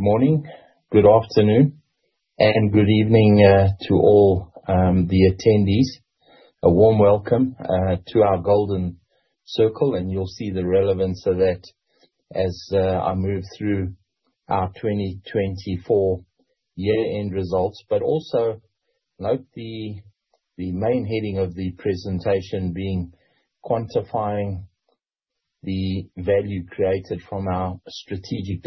Good morning, good afternoon, and good evening to all the attendees. A warm welcome to our Golden Circle, and you'll see the relevance of that as I move through our 2024 year-end results. But also, note the main heading of the presentation being "Quantifying the Value Created from Our Strategic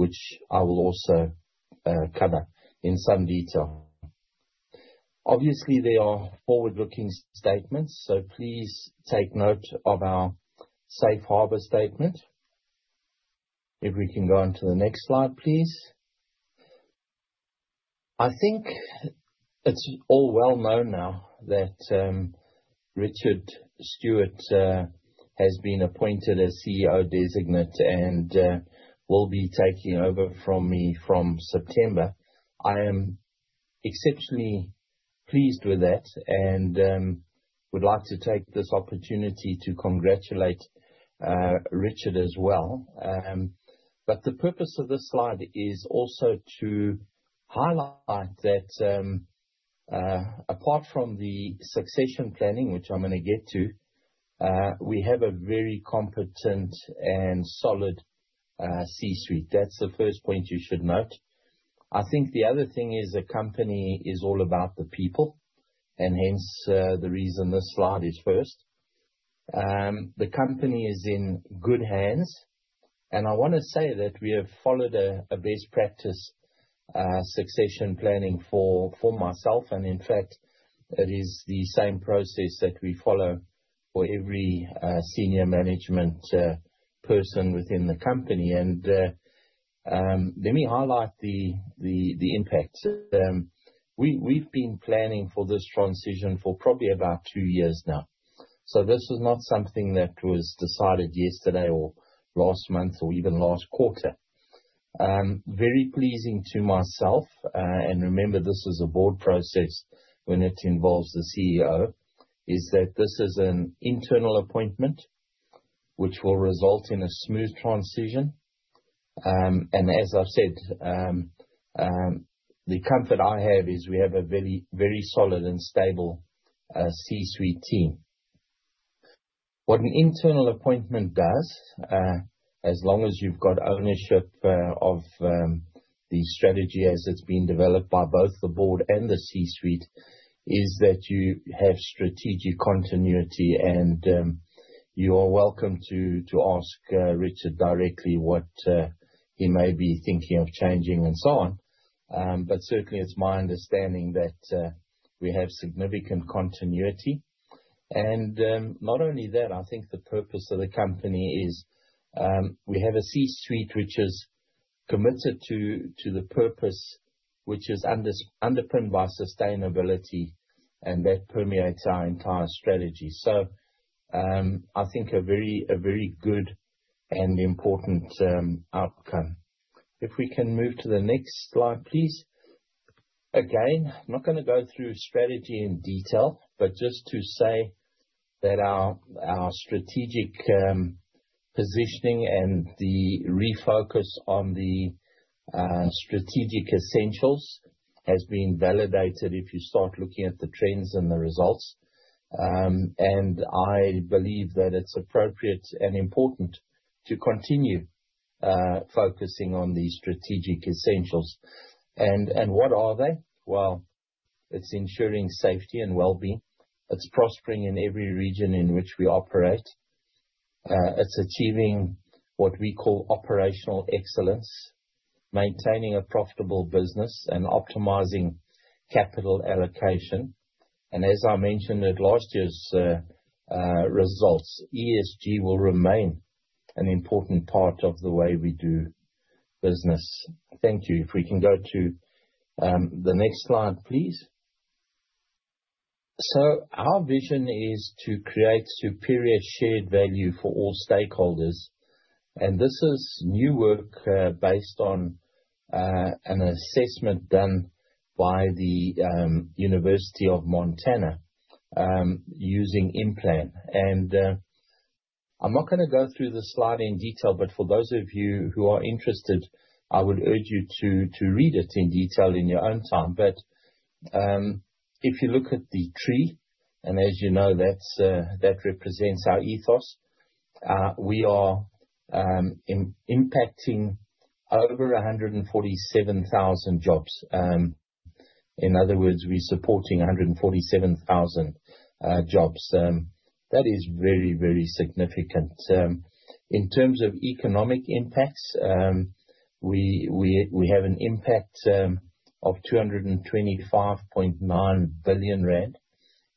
Differentiation," which I will also cover in some detail. Obviously, they are forward-looking statements, so please take note of our Safe Harbor Statement. If we can go on to the next slide, please. I think it's all well known now that Richard Stewart has been appointed as CEO Designate and will be taking over from me from September. I am exceptionally pleased with that and would like to take this opportunity to congratulate Richard as well. But the purpose of this slide is also to highlight that, apart from the succession planning, which I'm going to get to, we have a very competent and solid C-suite. That's the first point you should note. I think the other thing is a company is all about the people, and hence the reason this slide is first. The company is in good hands, and I want to say that we have followed a best practice succession planning for myself, and in fact, it is the same process that we follow for every senior management person within the company. And let me highlight the impact. We've been planning for this transition for probably about two years now, so this is not something that was decided yesterday or last month or even last quarter. Very pleasing to myself, and remember this is a board process when it involves the CEO, is that this is an internal appointment which will result in a smooth transition. And as I've said, the comfort I have is we have a very solid and stable C-suite team. What an internal appointment does, as long as you've got ownership of the strategy as it's being developed by both the board and the C-suite, is that you have strategic continuity, and you are welcome to ask Richard directly what he may be thinking of changing and so on. But certainly, it's my understanding that we have significant continuity. And not only that, I think the purpose of the company is we have a C-suite which is committed to the purpose which is underpinned by sustainability, and that permeates our entire strategy. So I think a very good and important outcome. If we can move to the next slide, please. Again, I'm not going to go through strategy in detail, but just to say that our strategic positioning and the refocus on the strategic essentials has been validated if you start looking at the trends and the results, and I believe that it's appropriate and important to continue focusing on these strategic essentials, and what are they? Well, it's ensuring safety and well-being. It's prospering in every region in which we operate. It's achieving what we call operational excellence, maintaining a profitable business, and optimizing capital allocation, and as I mentioned at last year's results, ESG will remain an important part of the way we do business. Thank you. If we can go to the next slide, please. So our vision is to create superior shared value for all stakeholders, and this is new work based on an assessment done by the University of Montana using IMPLAN. And I'm not going to go through the slide in detail, but for those of you who are interested, I would urge you to read it in detail in your own time. But if you look at the tree, and as you know, that represents our ethos, we are impacting over 147,000 jobs. In other words, we're supporting 147,000 jobs. That is very, very significant. In terms of economic impacts, we have an impact of 225.9 billion rand.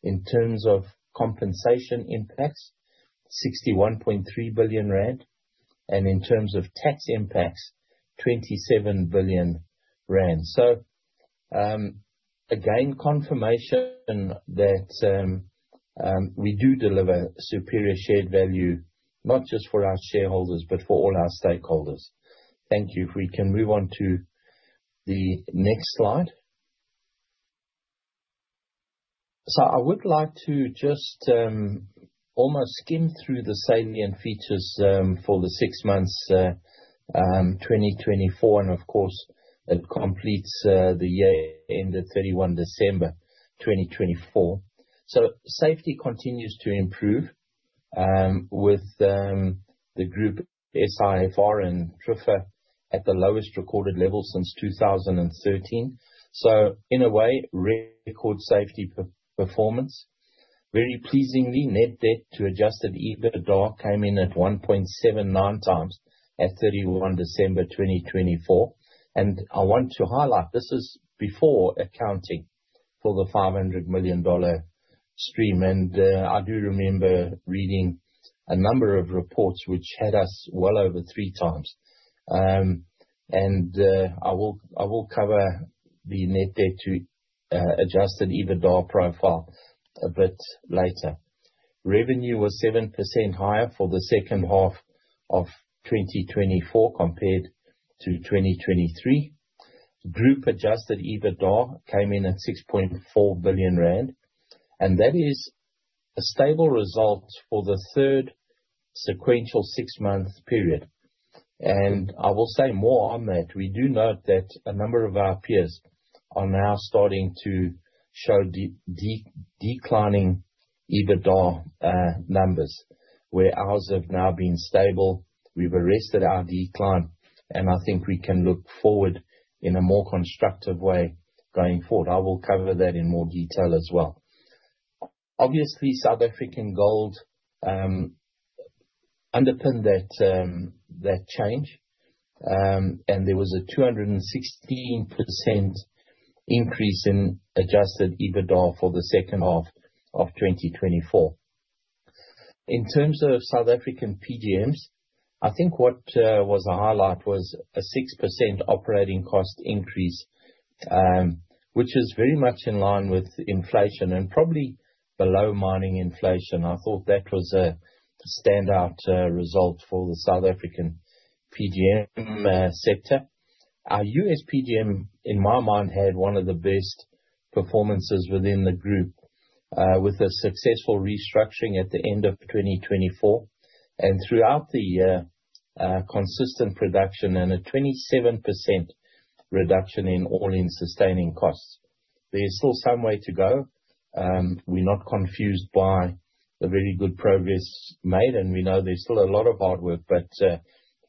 In terms of compensation impacts, 61.3 billion rand. And in terms of tax impacts, 27 billion rand. So again, confirmation that we do deliver superior shared value, not just for our shareholders, but for all our stakeholders. Thank you. If we can move on to the next slide. So I would like to just almost skim through the salient features for the six months 2024, and of course, it completes the year ended 31 December 2024. So safety continues to improve with the group SIFR and TRIFR at the lowest recorded level since 2013. So in a way, record safety performance. Very pleasingly, net debt to Adjusted EBITDA came in at 1.79 times at 31 December 2024. And I want to highlight this is before accounting for the $500 million stream. And I do remember reading a number of reports which had us well over three times. And I will cover the net debt to Adjusted EBITDA profile a bit later. Revenue was 7% higher for the second half of 2024 compared to 2023. Group Adjusted EBITDA came in at 6.4 billion rand. That is a stable result for the third sequential six-month period. I will say more on that. We do note that a number of our peers are now starting to show declining EBITDA numbers, where ours have now been stable. We've arrested our decline, and I think we can look forward in a more constructive way going forward. I will cover that in more detail as well. Obviously, South African gold underpinned that change, and there was a 216% increase in adjusted EBITDA for the second half of 2024. In terms of South African PGMs, I think what was highlighted was a 6% operating cost increase, which is very much in line with inflation and probably below mining inflation. I thought that was a standout result for the South African PGM sector. Our U.S. PGM, in my mind, had one of the best performances within the group with a successful restructuring at the end of 2024, and throughout the year, consistent production and a 27% reduction in All-in Sustaining Costs. There's still some way to go. We're not confused by the very good progress made, and we know there's still a lot of hard work, but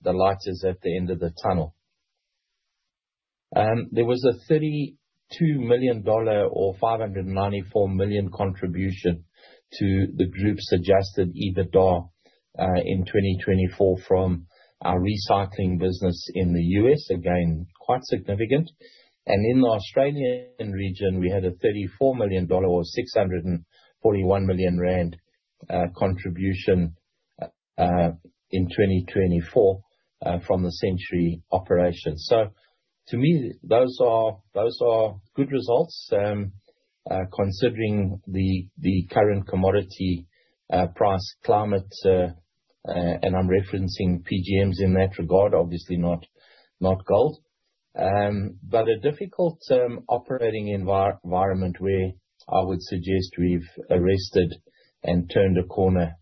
the light is at the end of the tunnel. There was a $32 million or 594 million contribution to the group's Adjusted EBITDA in 2024 from our recycling business in the U.S. Again, quite significant, and in the Australian region, we had a $34 million or 641 million rand contribution in 2024 from the Century operation. So to me, those are good results considering the current commodity price climate, and I'm referencing PGMs in that regard, obviously not gold. A difficult operating environment where I would suggest we've arrested and turned a corner.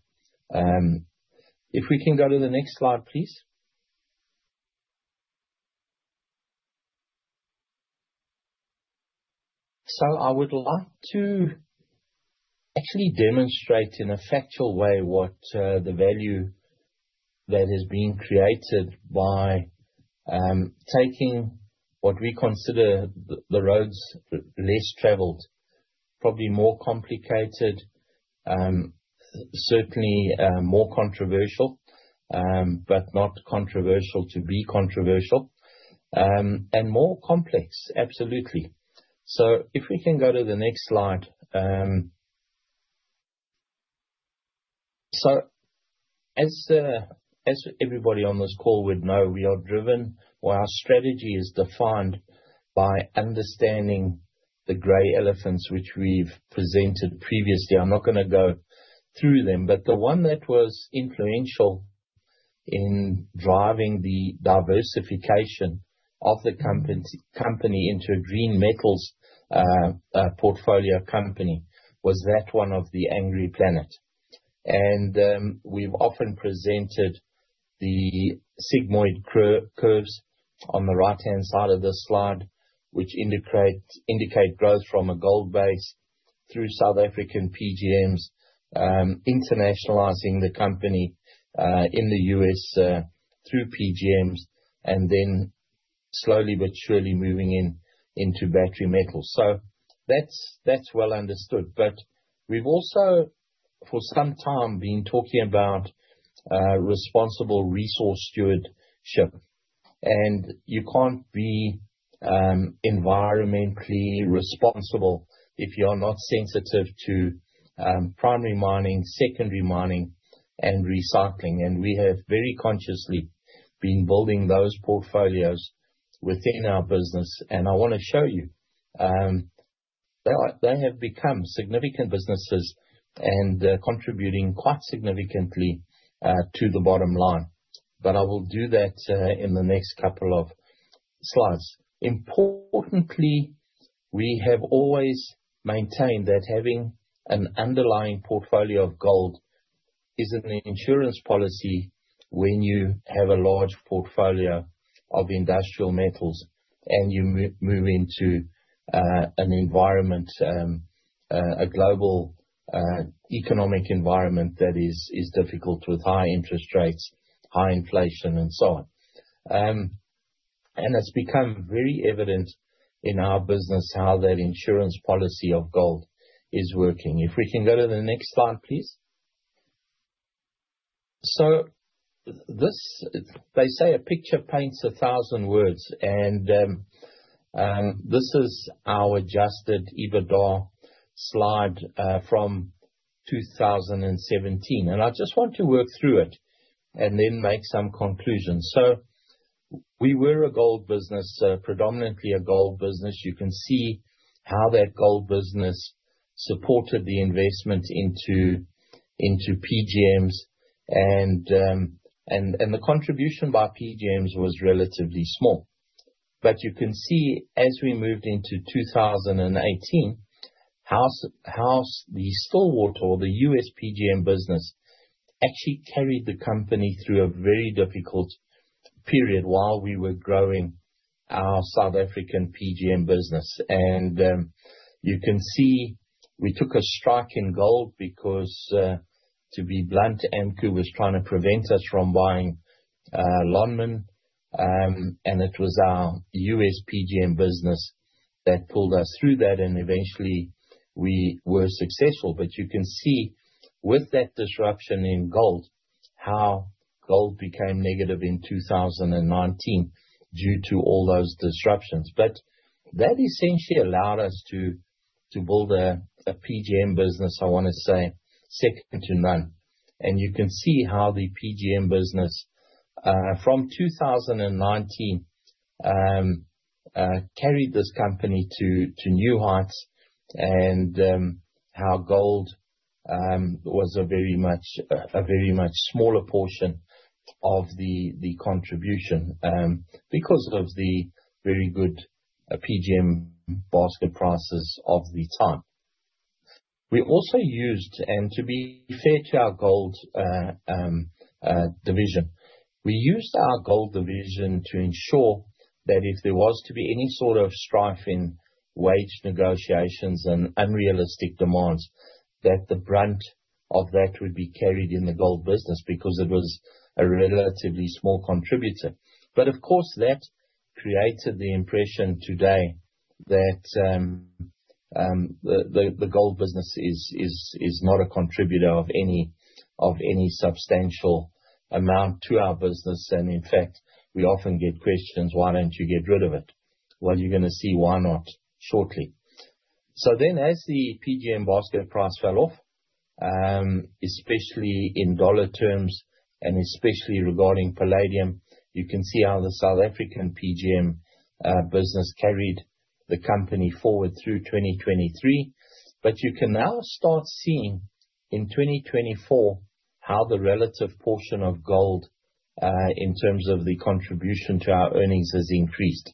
If we can go to the next slide, please. So I would like to actually demonstrate in a factual way what the value that has been created by taking what we consider the roads less traveled, probably more complicated, certainly more controversial, but not controversial to be controversial, and more complex, absolutely. So if we can go to the next slide. So as everybody on this call would know, we are driven where our strategy is defined by understanding the gray elephants which we've presented previously. I'm not going to go through them, but the one that was influential in driving the diversification of the company into a green metals portfolio company was that one of the angry planet. We've often presented the sigmoid curves on the right-hand side of this slide, which indicate growth from a gold base through South African PGMs, internationalizing the company in the U.S. through PGMs, and then slowly but surely moving into battery metals. That's well understood. We've also for some time been talking about responsible resource stewardship. You can't be environmentally responsible if you are not sensitive to primary mining, secondary mining, and recycling. We have very consciously been building those portfolios within our business. I want to show you they have become significant businesses and contributing quite significantly to the bottom line. I will do that in the next couple of slides. Importantly, we have always maintained that having an underlying portfolio of gold is an insurance policy when you have a large portfolio of industrial metals and you move into an environment, a global economic environment that is difficult with high interest rates, high inflation, and so on, and it's become very evident in our business how that insurance policy of gold is working. If we can go to the next slide, please, so they say a picture paints a thousand words, and this is our Adjusted EBITDA slide from 2017, and I just want to work through it and then make some conclusions, so we were a gold business, predominantly a gold business. You can see how that gold business supported the investment into PGMs, and the contribution by PGMs was relatively small. But you can see as we moved into 2018, how the Stillwater or the U.S. PGM business actually carried the company through a very difficult period while we were growing our South African PGM business. And you can see we took a strike in gold because, to be blunt, AMCU was trying to prevent us from buying Lonmin. And it was our U.S. PGM business that pulled us through that, and eventually, we were successful. But you can see with that disruption in gold, how gold became negative in 2019 due to all those disruptions. But that essentially allowed us to build a PGM business, I want to say, second to none. You can see how the PGM business from 2019 carried this company to new heights and how gold was a very much smaller portion of the contribution because of the very good PGM basket prices of the time. We also used, and to be fair to our gold division, we used our gold division to ensure that if there was to be any sort of strife in wage negotiations and unrealistic demands, that the brunt of that would be carried in the gold business because it was a relatively small contributor. But of course, that created the impression today that the gold business is not a contributor of any substantial amount to our business. And in fact, we often get questions, "Why don't you get rid of it?" Well, you're going to see why not shortly. So then as the PGM basket price fell off, especially in dollar terms and especially regarding palladium, you can see how the South African PGM business carried the company forward through 2023. But you can now start seeing in 2024 how the relative portion of gold in terms of the contribution to our earnings has increased.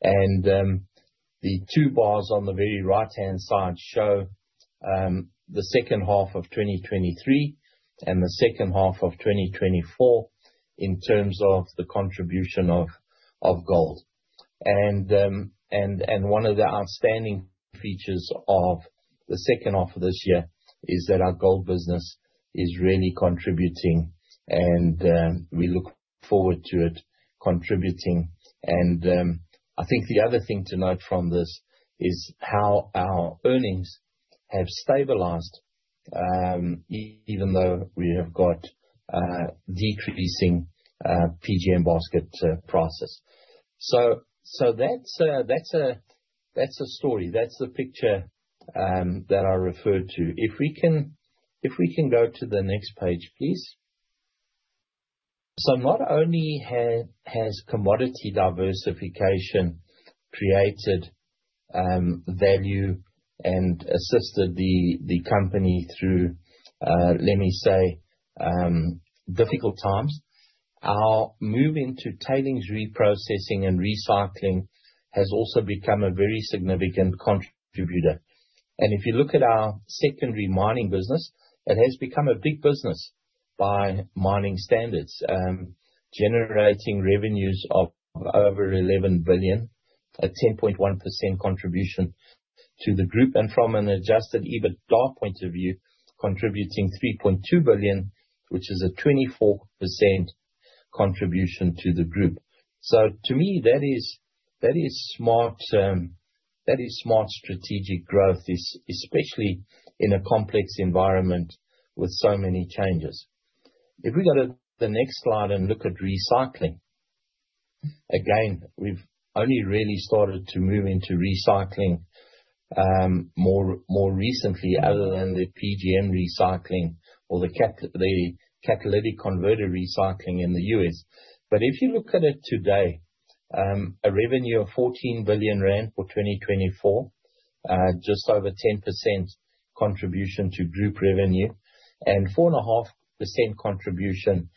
And the two bars on the very right-hand side show the second half of 2023 and the second half of 2024 in terms of the contribution of gold. And one of the outstanding features of the second half of this year is that our gold business is really contributing, and we look forward to it contributing. And I think the other thing to note from this is how our earnings have stabilized even though we have got decreasing PGM basket prices. So that's a story. That's the picture that I referred to. If we can go to the next page, please. Not only has commodity diversification created value and assisted the company through, let me say, difficult times; our move into tailings reprocessing and recycling has also become a very significant contributor. If you look at our secondary mining business, it has become a big business by mining standards, generating revenues of over 11 billion, a 10.1% contribution to the group. From an Adjusted EBITDA point of view, contributing 3.2 billion, which is a 24% contribution to the group. To me, that is smart strategic growth, especially in a complex environment with so many changes. If we go to the next slide and look at recycling, again, we've only really started to move into recycling more recently other than the PGM recycling or the catalytic converter recycling in the U.S. But if you look at it today, a revenue of 14 billion rand for 2024, just over 10% contribution to group revenue, and 4.5% contribution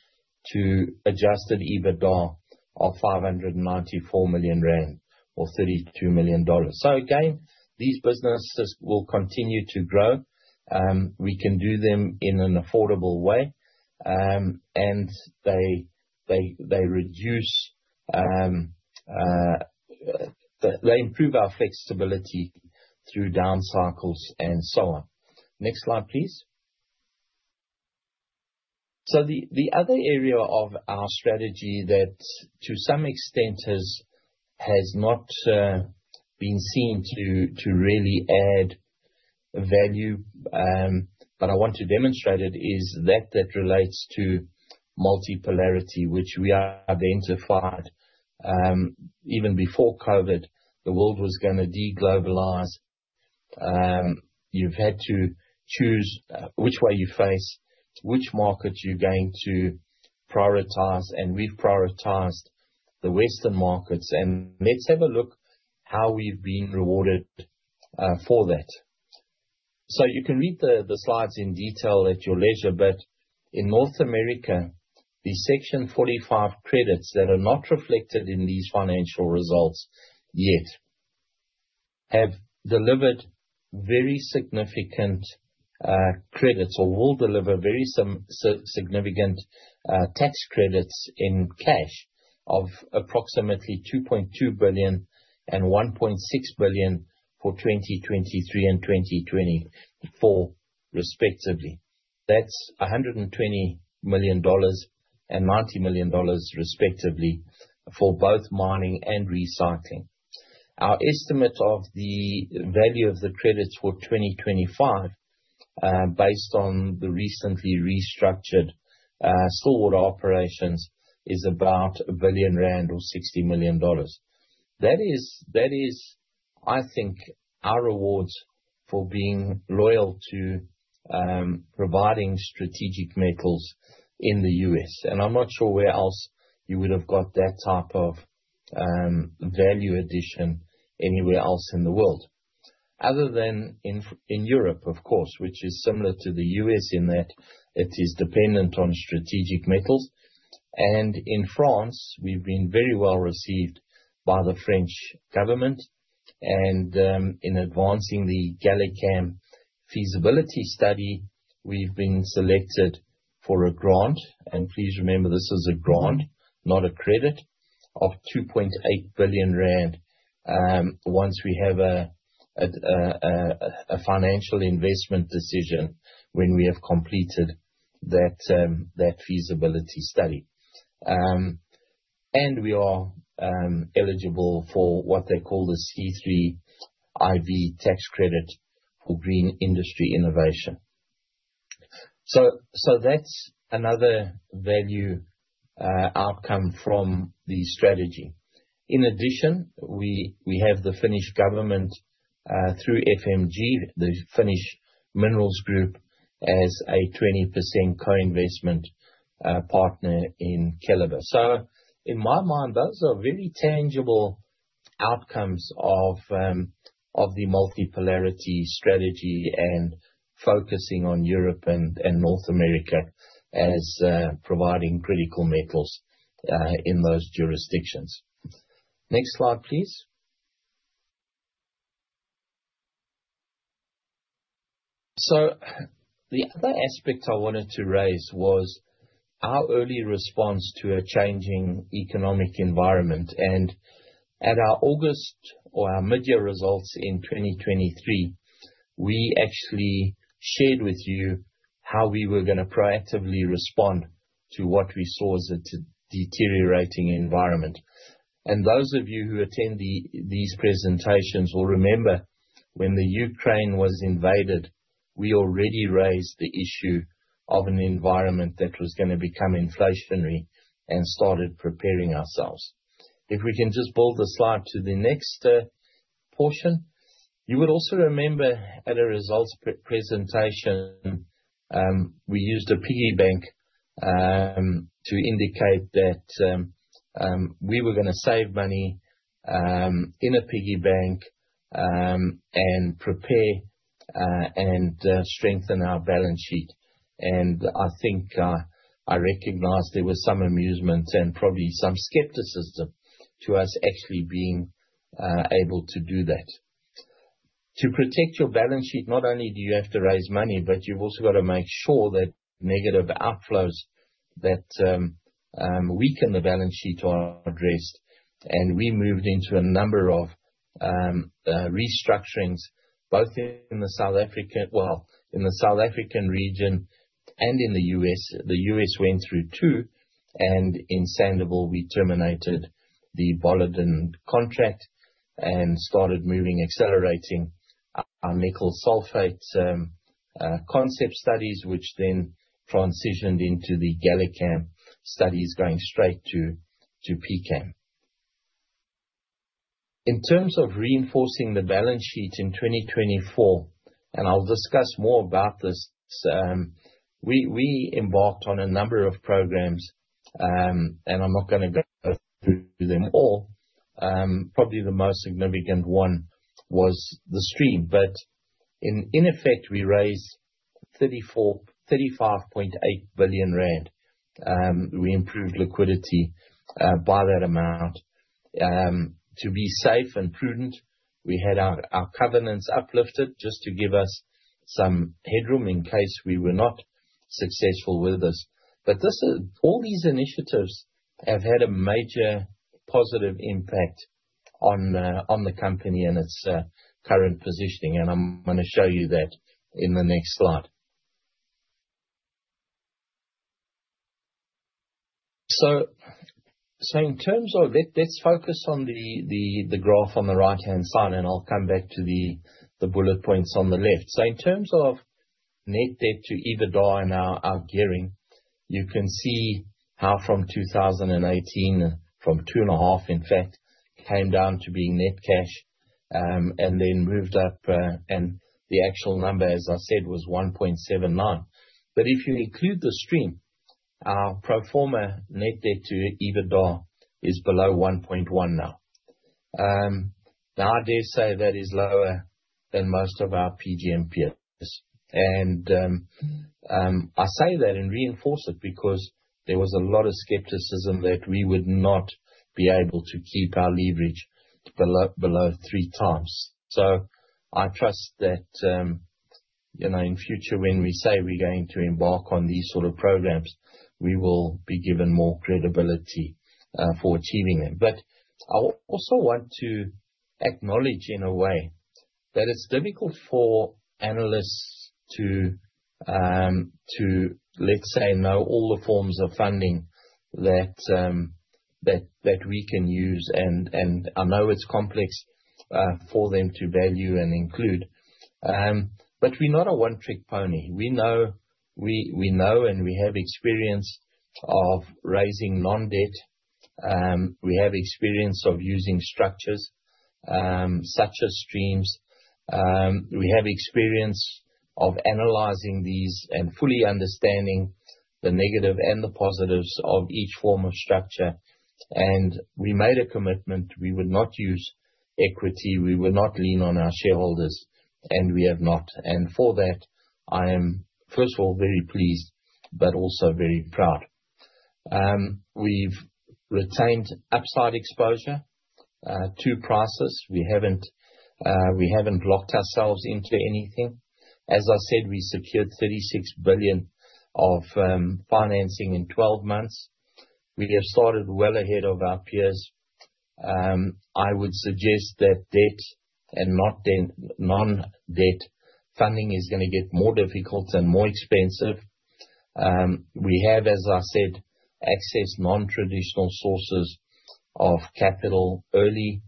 to Adjusted EBITDA of 594 million rand or $32 million. So again, these businesses will continue to grow. We can do them in an affordable way, and they improve our flexibility through down cycles and so on. Next slide, please. So the other area of our strategy that to some extent has not been seen to really add value, but I want to demonstrate it, is that that relates to multipolarity, which we identified even before COVID. The world was going to deglobalize. You've had to choose which way you face, which markets you're going to prioritize, and we've prioritized the Western markets. And let's have a look at how we've been rewarded for that. You can read the slides in detail at your leisure, but in North America, the Section 45X credits that are not reflected in these financial results yet have delivered very significant credits or will deliver very significant tax credits in cash of approximately 2.2 billion and 1.6 billion for 2023 and 2024, respectively. That's $120 million and multi-million dollars, respectively, for both mining and recycling. Our estimate of the value of the credits for 2025, based on the recently restructured Stillwater operations, is about 1 billion rand or $60 million. That is, I think, our rewards for being loyal to providing strategic metals in the U.S.. And I'm not sure where else you would have got that type of value addition anywhere else in the world, other than in Europe, of course, which is similar to the U.S. in that it is dependent on strategic metals. In France, we've been very well received by the French government. In advancing the GalliCam feasibility study, we've been selected for a grant. Please remember, this is a grant, not a credit of 2.8 billion rand once we have a financial investment decision when we have completed that feasibility study. We are eligible for what they call the C3IV tax credit for green industry innovation. That's another value outcome from the strategy. In addition, we have the Finnish government through FMG, the Finnish Minerals Group, as a 20% co-investment partner in Keliber. In my mind, those are really tangible outcomes of the multipolarity strategy and focusing on Europe and North America as providing critical metals in those jurisdictions. Next slide, please. The other aspect I wanted to raise was our early response to a changing economic environment. And at our August or our mid-year results in 2023, we actually shared with you how we were going to proactively respond to what we saw as a deteriorating environment. And those of you who attend these presentations will remember when the Ukraine was invaded, we already raised the issue of an environment that was going to become inflationary and started preparing ourselves. If we can just build the slide to the next portion, you would also remember at a results presentation, we used a piggy bank to indicate that we were going to save money in a piggy bank and prepare and strengthen our balance sheet. And I think I recognized there were some amusements and probably some skepticism to us actually being able to do that. To protect your balance sheet, not only do you have to raise money, but you've also got to make sure that negative outflows that weaken the balance sheet are addressed, and we moved into a number of restructurings, both in the South African as well, in the South African region and in the U.S. The U.S. went through two. And in Sandouville, we terminated the Vale contract and started moving, accelerating our nickel sulfate concept studies, which then transitioned into the GalliCam studies going straight to PFS. In terms of reinforcing the balance sheet in 2024, and I'll discuss more about this, we embarked on a number of programs, and I'm not going to go through them all. Probably the most significant one was the stream. But in effect, we raised 35.8 billion rand. We improved liquidity by that amount. To be safe and prudent, we had our covenants uplifted just to give us some headroom in case we were not successful with this. But all these initiatives have had a major positive impact on the company and its current positioning. And I'm going to show you that in the next slide. So in terms of, let's focus on the graph on the right-hand side, and I'll come back to the bullet points on the left. So in terms of net debt to EBITDA and our gearing, you can see how from 2018, from two and a half, in fact, came down to being net cash and then moved up. And the actual number, as I said, was 1.79. But if you include the stream, our pro forma net debt to EBITDA is below 1.1 now. Now, I dare say that is lower than most of our PGM peers. And I say that and reinforce it because there was a lot of skepticism that we would not be able to keep our leverage below three times. So I trust that in future, when we say we're going to embark on these sort of programs, we will be given more credibility for achieving them. But I also want to acknowledge in a way that it's difficult for analysts to, let's say, know all the forms of funding that we can use. And I know it's complex for them to value and include. But we're not a one-trick pony. We know and we have experience of raising non-debt. We have experience of using structures such as streams. We have experience of analyzing these and fully understanding the negative and the positives of each form of structure. And we made a commitment. We would not use equity. We would not lean on our shareholders, and we have not, and for that I am, first of all, very pleased, but also very proud. We've retained upside exposure to prices. We haven't locked ourselves into anything. As I said, we secured 36 billion of financing in 12 months. We have started well ahead of our peers. I would suggest that debt and not non-debt funding is going to get more difficult and more expensive. We have, as I said, accessed non-traditional sources of capital early,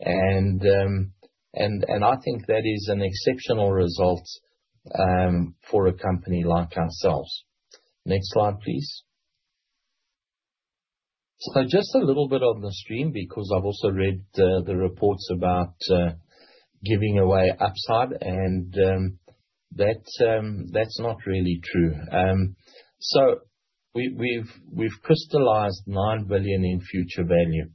and I think that is an exceptional result for a company like ourselves. Next slide, please, so just a little bit on the stream because I've also read the reports about giving away upside, and that's not really true, so we've crystallized nine billion in future value.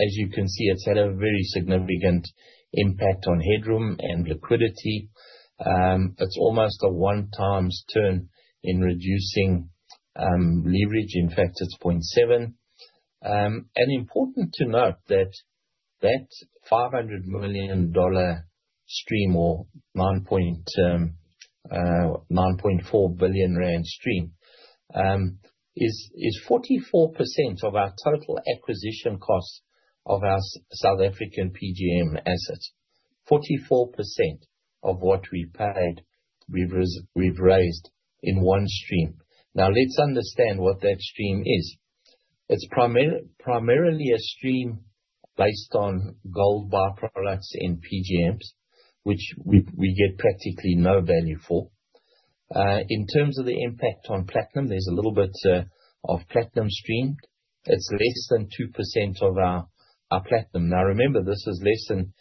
As you can see, it's had a very significant impact on headroom and liquidity. It's almost a one turn in reducing leverage. In fact, it's 0.7, and important to note that that $500 million stream or 9.4 billion rand stream is 44% of our total acquisition cost of our South African PGM assets. 44% of what we've paid, we've raised in one stream. Now, let's understand what that stream is. It's primarily a stream based on gold byproducts and PGMs, which we get practically no value for. In terms of the impact on platinum, there's a little bit of platinum stream. It's less than 2% of our platinum. Now, remember, this is less than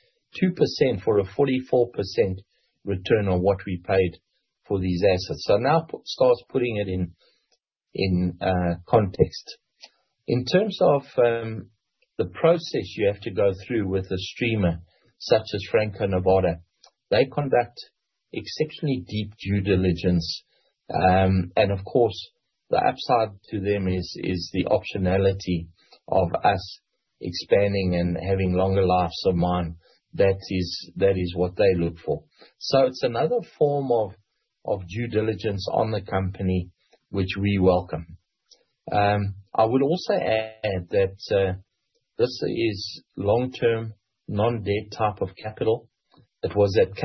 2% for a 44% return on what we paid for these assets. So now, that starts putting it in context. In terms of the process you have to go through with a streamer such as Franco-Nevada, they conduct exceptionally deep due diligence. Of course, the upside to them is the optionality of us expanding and having longer lives of mine. That is what they look for. So it's another form of due diligence on the company, which we welcome. I would also add that this is long-term non-debt type of capital. It was at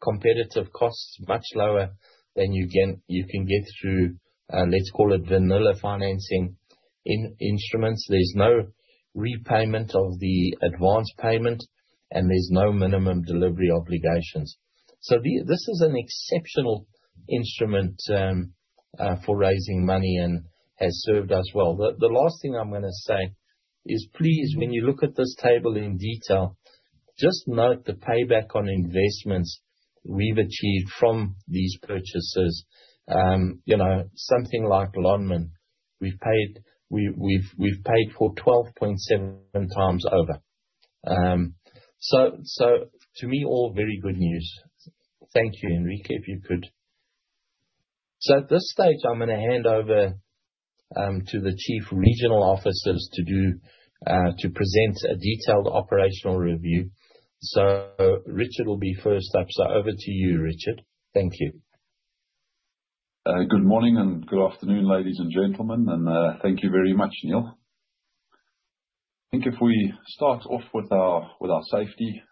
competitive costs, much lower than you can get through, let's call it, vanilla financing instruments. There's no repayment of the advance payment, and there's no minimum delivery obligations. So this is an exceptional instrument for raising money and has served us well. The last thing I'm going to say is, please, when you look at this table in detail, just note the payback on investments we've achieved from these purchases. Something like Lonmin, we've paid for 12.7 times over. So to me, all very good news. Thank you, Henrico, if you could. At this stage, I'm going to hand over to the Chief Regional Officers to present a detailed operational review. Richard will be first up. Over to you, Richard. Thank you. Good morning and good afternoon, ladies and gentlemen. Thank you very much, Neal. I think if we start off with our safety.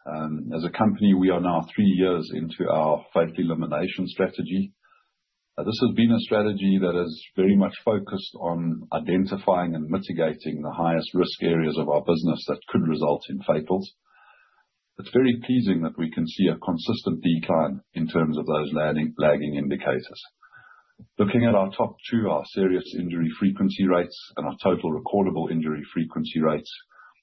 As a company, we are now three years into our failure elimination strategy. This has been a strategy that is very much focused on identifying and mitigating the highest risk areas of our business that could result in fatals. It's very pleasing that we can see a consistent decline in terms of those lagging indicators. Looking at our top two, our serious injury frequency rates and our total recordable injury frequency rates,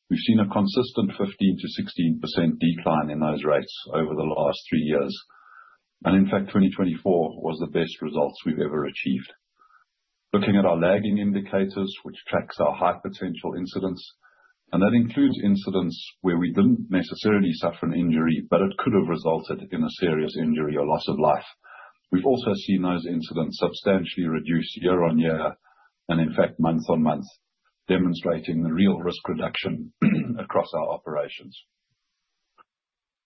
we've seen a consistent 15%-16% decline in those rates over the last three years. In fact, 2024 was the best results we've ever achieved. Looking at our lagging indicators, which tracks our high potential incidents, and that includes incidents where we didn't necessarily suffer an injury, but it could have resulted in a serious injury or loss of life. We've also seen those incidents substantially reduce year on year and, in fact, month on month, demonstrating the real risk reduction across our operations.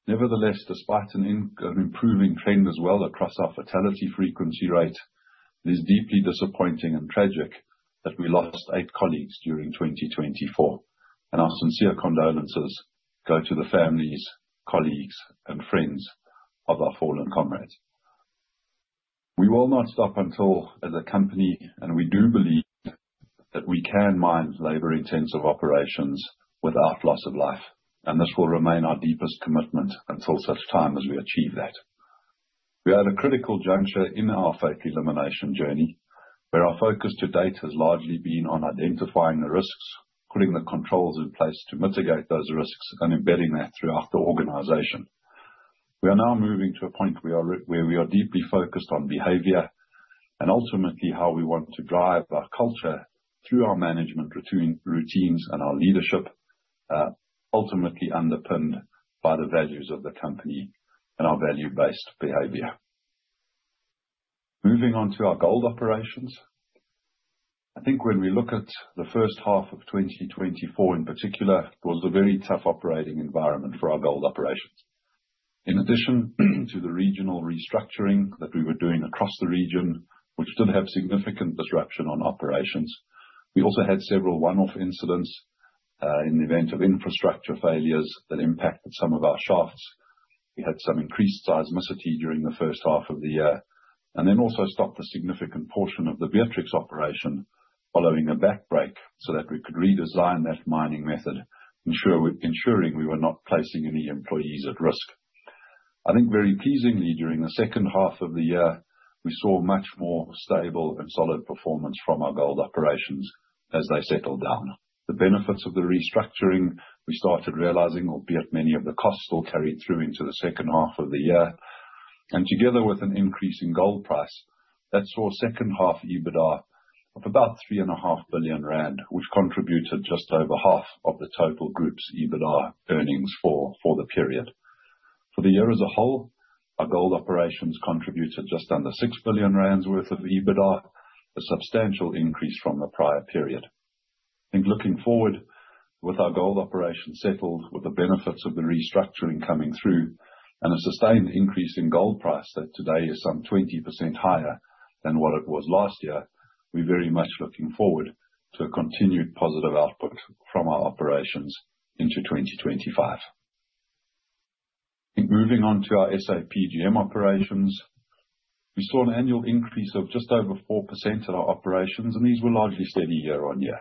Nevertheless, despite an improving trend as well across our fatality frequency rate, it is deeply disappointing and tragic that we lost eight colleagues during 2024. Our sincere condolences go to the families, colleagues, and friends of our fallen comrades. We will not stop until as a company, and we do believe that we can mine labor-intensive operations without loss of life. This will remain our deepest commitment until such time as we achieve that. We are at a critical juncture in our fatality elimination journey where our focus to date has largely been on identifying the risks, putting the controls in place to mitigate those risks, and embedding that throughout the organization. We are now moving to a point where we are deeply focused on behavior and ultimately how we want to drive our culture through our management routines and our leadership, ultimately underpinned by the values of the company and our value-based behavior. Moving on to our gold operations. I think when we look at the first half of 2024 in particular, it was a very tough operating environment for our gold operations. In addition to the regional restructuring that we were doing across the region, which did have significant disruption on operations, we also had several one-off incidents in the event of infrastructure failures that impacted some of our shafts. We had some increased seismicity during the first half of the year, and then also stopped a significant portion of the Beatrix operation following a backbreak so that we could redesign that mining method, ensuring we were not placing any employees at risk. I think very pleasingly during the second half of the year, we saw much more stable and solid performance from our gold operations as they settled down. The benefits of the restructuring we started realizing, albeit many of the costs still carried through into the second half of the year, and together with an increase in gold price, that saw second half EBITDA of about 3.5 billion rand, which contributed just over half of the total group's EBITDA earnings for the period. For the year as a whole, our gold operations contributed just under 6 billion rand worth of EBITDA, a substantial increase from the prior period. I think looking forward with our gold operations settled, with the benefits of the restructuring coming through, and a sustained increase in gold price that today is some 20% higher than what it was last year, we're very much looking forward to a continued positive output from our operations into 2025. Moving on to our SA PGM operations, we saw an annual increase of just over 4% of our operations, and these were largely steady year on year.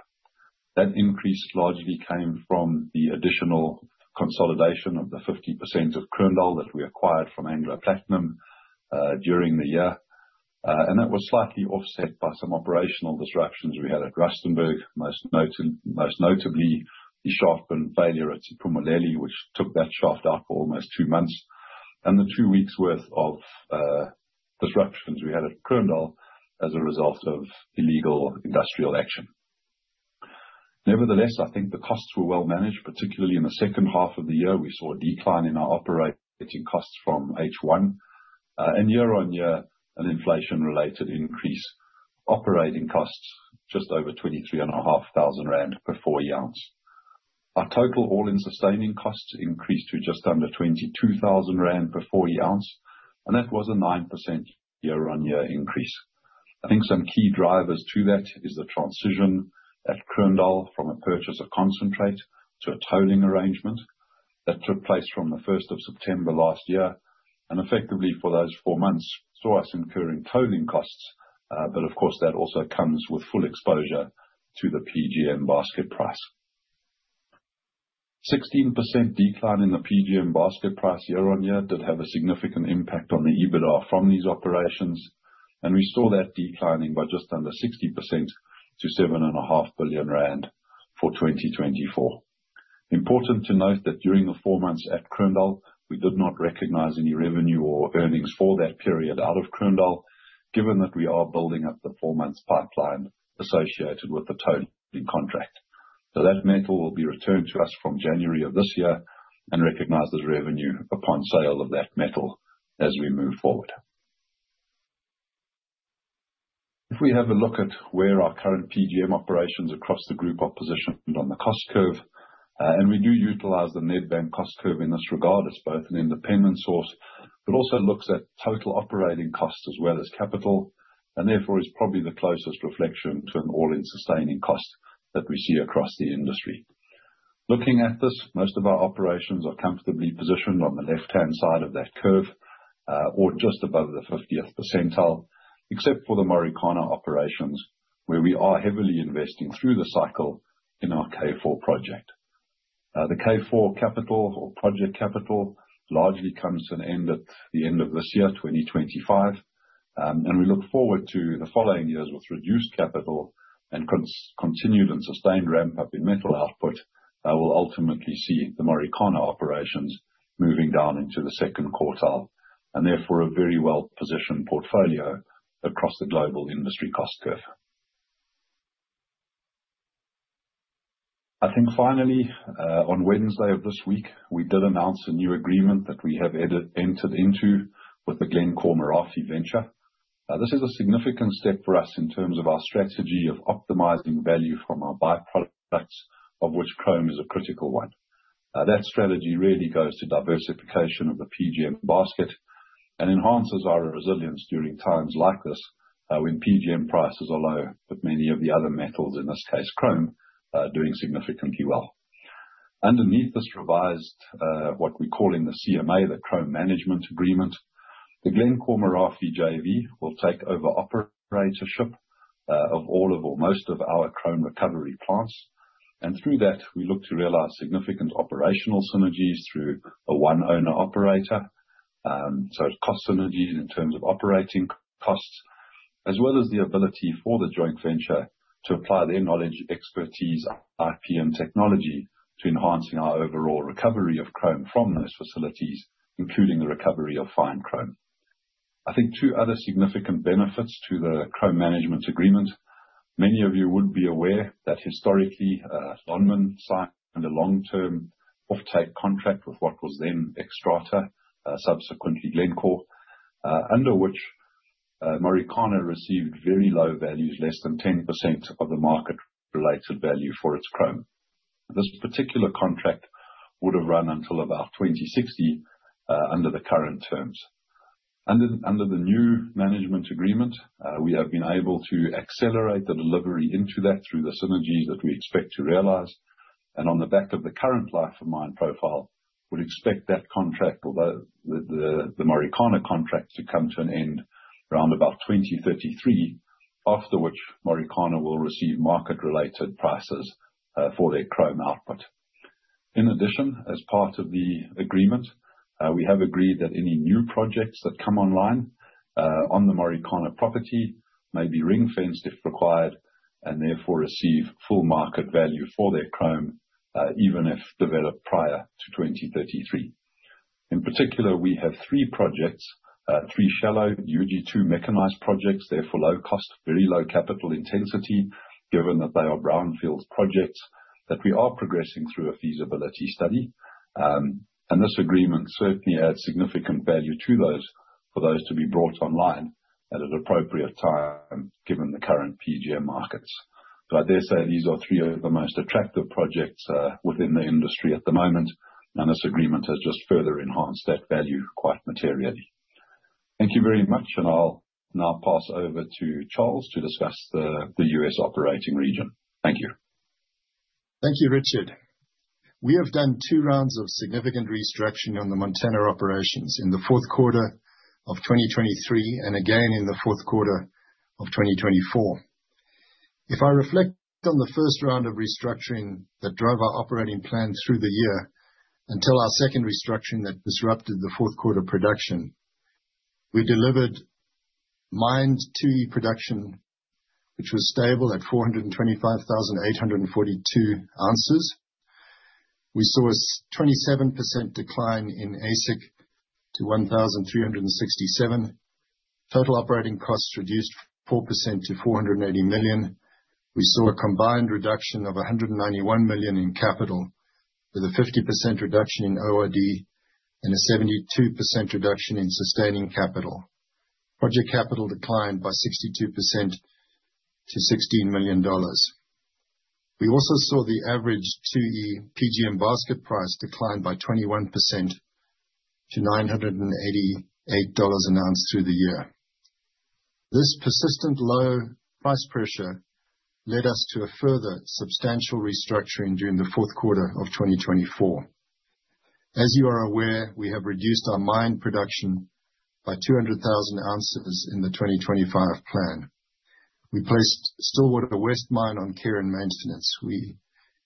That increase largely came from the additional consolidation of the 50% of Kroondal that we acquired from Anglo Platinum during the year. That was slightly offset by some operational disruptions we had at Rustenburg, most notably the shaft failure at Siphumelele, which took that shaft up for almost two months, and the two weeks' worth of disruptions we had at Kroondal as a result of illegal industrial action. Nevertheless, I think the costs were well managed, particularly in the second half of the year. We saw a decline in our operating costs from H1, and year on year, an inflation-related increase. Operating costs just over 23,500 rand per 4E. Our total All-in Sustaining Costs increased to just under 22,000 rand per 4E, and that was a 9% year-on-year increase. I think some key drivers to that is the transition at Kroondal from a purchase of concentrate to a tolling arrangement that took place from the 1st of September last year. Effectively for those four months, we saw us incurring tolling costs. But of course, that also comes with full exposure to the PGM basket price. A 16% decline in the PGM basket price year-on-year did have a significant impact on the EBITDA from these operations. We saw that declining by just under 60% to 7.5 billion rand for 2024. It is important to note that during the four months at Kroondal, we did not recognize any revenue or earnings for that period out of Kroondal, given that we are building up the four-month pipeline associated with the tolling contract. That metal will be returned to us from January of this year, and we will recognize the revenue upon sale of that metal as we move forward. If we have a look at where our current PGM operations across the group are positioned on the cost curve, and we do utilize the Nedbank cost curve in this regard as both an independent source, but also looks at total operating costs as well as capital, and therefore is probably the closest reflection to an all-in sustaining cost that we see across the industry. Looking at this, most of our operations are comfortably positioned on the left-hand side of that curve or just above the 50th percentile, except for the Marikana operations where we are heavily investing through the cycle in our K4 project. The K4 capital or project capital largely comes to an end at the end of this year, 2025. And we look forward to the following years with reduced capital and continued and sustained ramp-up in metal output that will ultimately see the Marikana operations moving down into the second quartile and therefore a very well-positioned portfolio across the global industry cost curve. I think finally, on Wednesday of this week, we did announce a new agreement that we have entered into with the Glencore-Merafe Venture. This is a significant step for us in terms of our strategy of optimizing value from our byproducts, of which chrome is a critical one. That strategy really goes to diversification of the PGM basket and enhances our resilience during times like this when PGM prices are low, but many of the other metals, in this case chrome, doing significantly well. Underneath this revised, what we call in the CMA, the Chrome Management Agreement, the Glencore-Merafe JV will take over operatorship of all of or most of our chrome recovery plants. Through that, we look to realize significant operational synergies through a one-owner operator so cost synergies in terms of operating costs, as well as the ability for the joint venture to apply their knowledge, expertise, IsaMill technology to enhancing our overall recovery of chrome from those facilities, including the recovery of fine chrome. I think two other significant benefits to the Chrome Management Agreement. Many of you would be aware that historically, Lonmin signed a long-term off-take contract with what was then Xstrata, subsequently Glencore, under which Lonmin received very low values, less than 10% of the market-related value for its chrome. This particular contract would have run until about 2060 under the current terms. Under the new management agreement, we have been able to accelerate the delivery into that through the synergies that we expect to realize, and on the back of the current life of mine profile, we'd expect that contract, although the Marikana contract, to come to an end around about 2033, after which Marikana will receive market-related prices for their chrome output. In addition, as part of the agreement, we have agreed that any new projects that come online on the Marikana property may be ring-fenced if required and therefore receive full market value for their chrome, even if developed prior to 2033. In particular, we have three projects, three shallow, usually two mechanized projects, therefore low cost, very low capital intensity, given that they are brownfield projects that we are progressing through a feasibility study. This agreement certainly adds significant value to those for those to be brought online at an appropriate time given the current PGM markets. So I dare say these are three of the most attractive projects within the industry at the moment. This agreement has just further enhanced that value quite materially. Thank you very much. I'll now pass over to Charles to discuss the U.S. operating region. Thank you. Thank you, Richard. We have done two rounds of significant restructuring on the Montana operations in the fourth quarter of 2023 and again in the fourth quarter of 2024. If I reflect on the first round of restructuring that drove our operating plan through the year until our second restructuring that disrupted the fourth quarter production, we delivered mined 2E production, which was stable at 425,842 ounces. We saw a 27% decline in AISC to $1,367. Total operating costs reduced 4% to $480 million. We saw a combined reduction of $191 million in capital, with a 50% reduction in ORD and a 72% reduction in sustaining capital. Project capital declined by 62% to $16 million. We also saw the average PGM basket price decline by 21% to $988 announced through the year. This persistent low price pressure led us to a further substantial restructuring during the fourth quarter of 2024. As you are aware, we have reduced our mine production by 200,000 ounces in the 2025 plan. We placed Stillwater West Mine on care and maintenance. We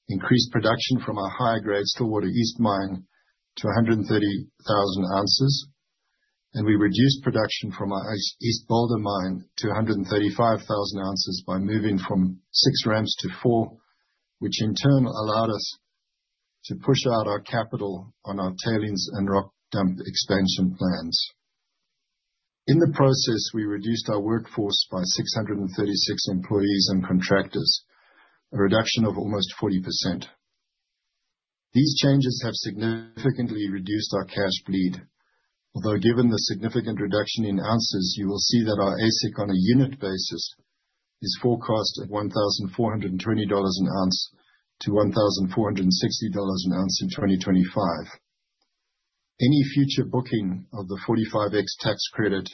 increased production from our high-grade Stillwater East Mine to 130,000 ounces. We reduced production from our East Boulder Mine to 135,000 ounces by moving from six ramps to four, which in turn allowed us to push out our capital on our tailings and rock dump expansion plans. In the process, we reduced our workforce by 636 employees and contractors, a reduction of almost 40%. These changes have significantly reduced our cash bleed. Although given the significant reduction in ounces, you will see that our AISC on a unit basis is forecast at $1,420 an ounce to $1,460 an ounce in 2025. Any future booking of the 45X tax credit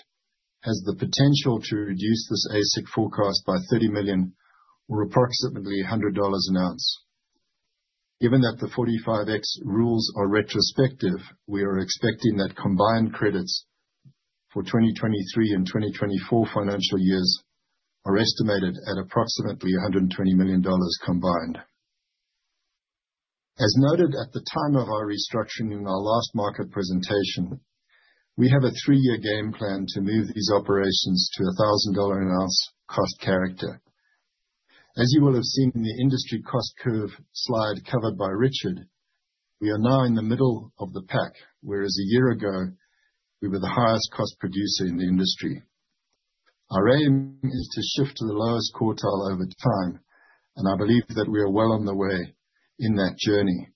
has the potential to reduce this AISC forecast by $30 million or approximately $100 an ounce. Given that the 45X rules are retrospective, we are expecting that combined credits for 2023 and 2024 financial years are estimated at approximately $120 million combined. As noted at the time of our restructuring in our last market presentation, we have a three-year game plan to move these operations to a $1,000 an ounce cost structure. As you will have seen in the industry cost curve slide covered by Richard, we are now in the middle of the pack, whereas a year ago we were the highest cost producer in the industry. Our aim is to shift to the lowest quartile over time, and I believe that we are well on the way in that journey.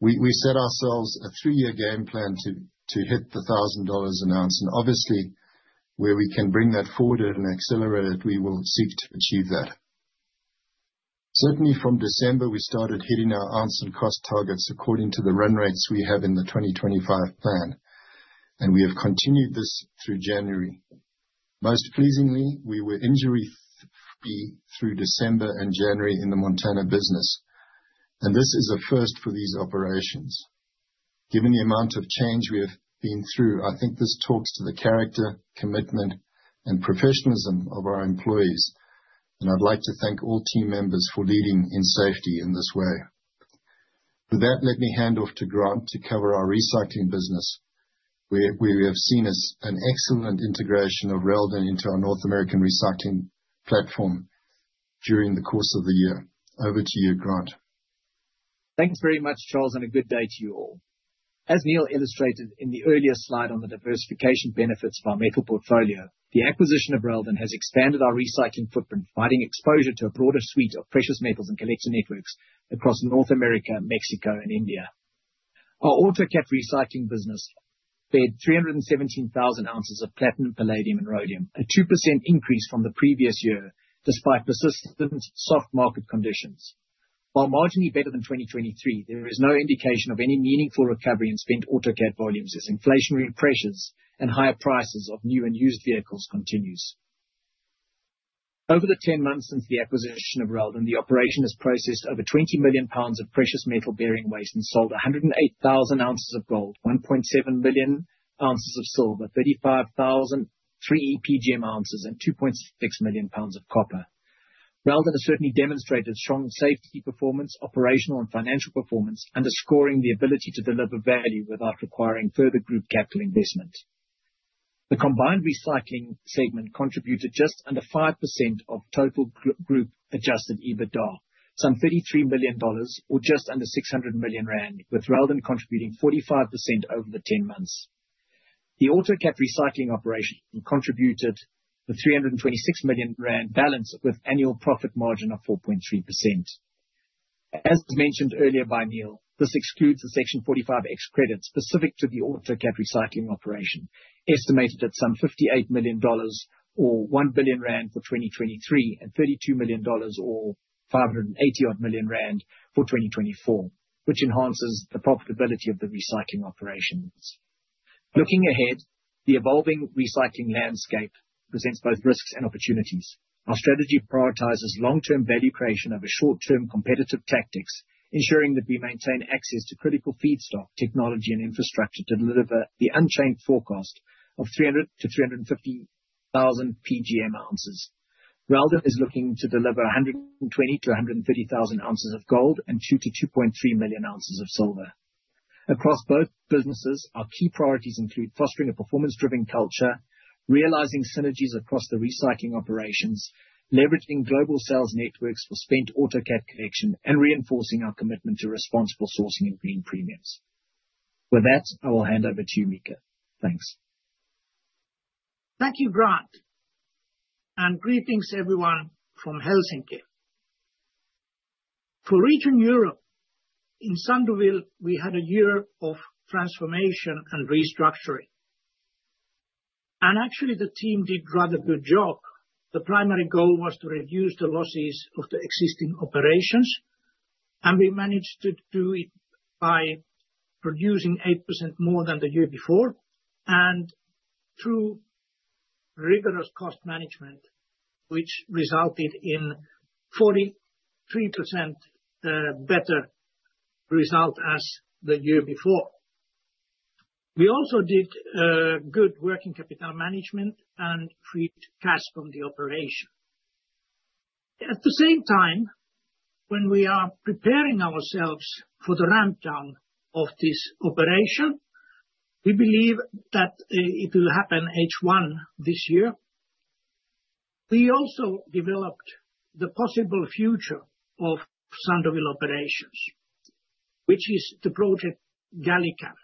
We set ourselves a three-year game plan to hit the $1,000 an ounce, and obviously, where we can bring that forward and accelerate it, we will seek to achieve that. Certainly from December, we started hitting our ounce and cost targets according to the run rates we have in the 2025 plan, and we have continued this through January. Most pleasingly, we were injury-free through December and January in the Montana business, and this is a first for these operations. Given the amount of change we have been through, I think this talks to the character, commitment, and professionalism of our employees. And I'd like to thank all team members for leading in safety in this way. With that, let me hand off to Grant to cover our recycling business, where we have seen an excellent integration of Reldan into our North American recycling platform during the course of the year. Over to you, Grant. Thanks very much, Charles, and a good day to you all. As Neal illustrated in the earlier slide on the diversification benefits of our metal portfolio, the acquisition of Reldan has expanded our recycling footprint, providing exposure to a broader suite of precious metals and collector networks across North America, Mexico, and India. Our autocatalyst recycling business fed 317,000 ounces of platinum, palladium, and rhodium, a 2% increase from the previous year despite persistent soft market conditions. While marginally better than 2023, there is no indication of any meaningful recovery in spent autocatalyst volumes as inflationary pressures and higher prices of new and used vehicles continue. Over the 10 months since the acquisition of Reldan, the operation has processed over 20 million pounds of precious metal bearing waste and sold 108,000 ounces of gold, 1.7 million ounces of silver, 35,000 3E PGM ounces, and 2.6 million pounds of copper. Reldan has certainly demonstrated strong safety performance, operational and financial performance, underscoring the ability to deliver value without requiring further group capital investment. The combined recycling segment contributed just under 5% of total group adjusted EBITDA, some $33 million, or just under 600 million rand, with Reldan contributing 45% over the 10 months. The autocatalyst recycling operation contributed the 326 million rand balance with annual profit margin of 4.3%. As mentioned earlier by Neal, this excludes the Section 45X credit specific to the autocatalyst recycling operation, estimated at some $58 million or 1 billion rand for 2023 and $32 million or 580 million rand for 2024, which enhances the profitability of the recycling operations. Looking ahead, the evolving recycling landscape presents both risks and opportunities. Our strategy prioritizes long-term value creation over short-term competitive tactics, ensuring that we maintain access to critical feedstock, technology, and infrastructure to deliver the unchanged forecast of 300-350,000 PGM ounces. Reldan is looking to deliver 120-130,000 ounces of gold and 2-2.3 million ounces of silver. Across both businesses, our key priorities include fostering a performance-driven culture, realizing synergies across the recycling operations, leveraging global sales networks for spent autocatalyst collection, and reinforcing our commitment to responsible sourcing and green premiums. With that, I will hand over to you, Mika. Thanks. Thank you, Grant. Greetings to everyone from Helsinki. For Region Europe, in Sandouville, we had a year of transformation and restructuring. Actually, the team did rather good job. The primary goal was to reduce the losses of the existing operations, and we managed to do it by producing 8% more than the year before and through rigorous cost management, which resulted in 43% better result as the year before. We also did good working capital management and freed cash from the operation. At the same time, when we are preparing ourselves for the ramp-down of this operation, we believe that it will happen H1 this year. We also developed the possible future of Sandouville operations, which is the project GalliCam.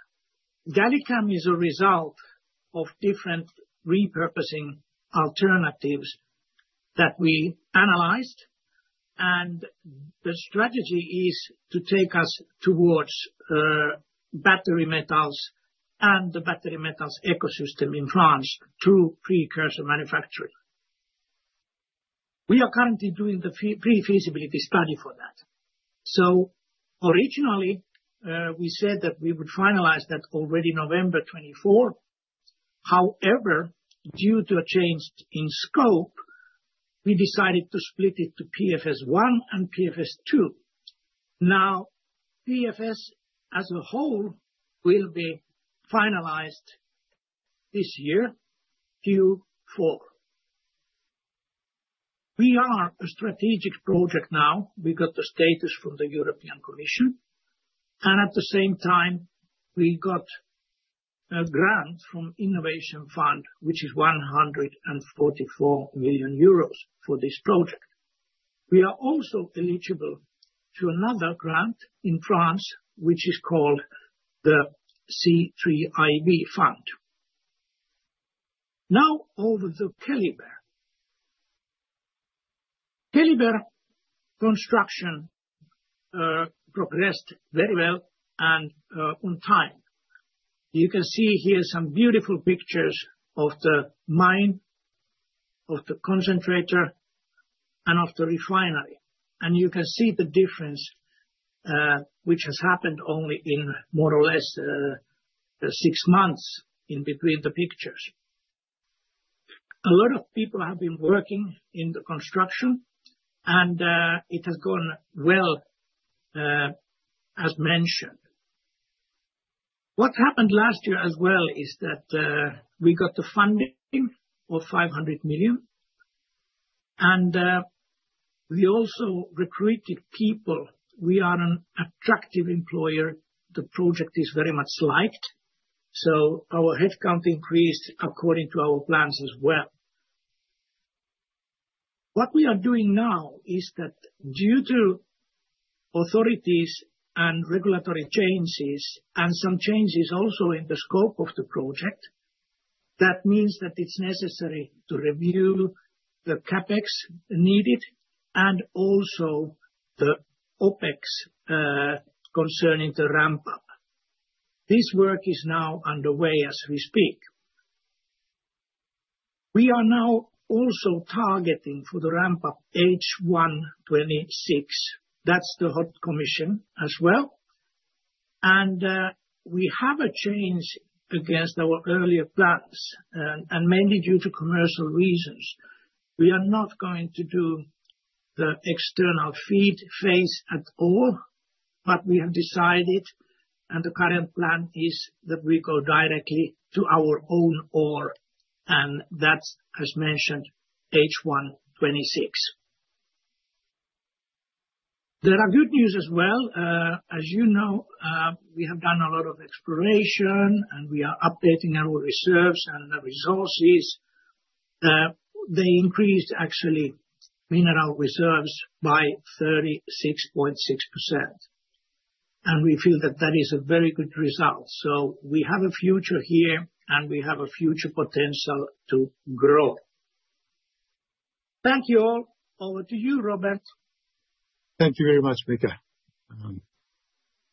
GalliCam is a result of different repurposing alternatives that we analyzed, and the strategy is to take us towards battery metals and the battery metals ecosystem in France through precursor manufacturing. We are currently doing the pre-feasibility study for that, so originally, we said that we would finalize that already November 2024. However, due to a change in scope, we decided to split it to PFS 1 and PFS 2. Now, PFS as a whole will be finalized this year, Q4. We are a strategic project now. We got the status from the European Commission. At the same time, we got a grant from Innovation Fund, which is 144 million euros for this project. We are also eligible to another grant in France, which is called the C3IV Fund. Now, over to Keliber. Keliber construction progressed very well and on time. You can see here some beautiful pictures of the mine, of the concentrator, and of the refinery. You can see the difference, which has happened only in more or less six months in between the pictures. A lot of people have been working in the construction, and it has gone well, as mentioned. What happened last year as well is that we got the funding of 500 million. We also recruited people. We are an attractive employer. The project is very much liked. Our headcount increased according to our plans as well. What we are doing now is that due to authorities and regulatory changes and some changes also in the scope of the project, that means that it's necessary to review the CapEx needed and also the OpEx concerning the ramp-up. This work is now underway as we speak. We are now also targeting for the ramp-up H1 2026. That's the hot commission as well. And we have a change against our earlier plans and mainly due to commercial reasons. We are not going to do the external feed phase at all, but we have decided, and the current plan is that we go directly to our own ore, and that's, as mentioned, H126. There are good news as well. As you know, we have done a lot of exploration, and we are updating our reserves and the resources. They increased, actually, mineral reserves by 36.6%. We feel that that is a very good result. We have a future here, and we have a future potential to grow. Thank you all. Over to you, Robert. Thank you very much, Mika.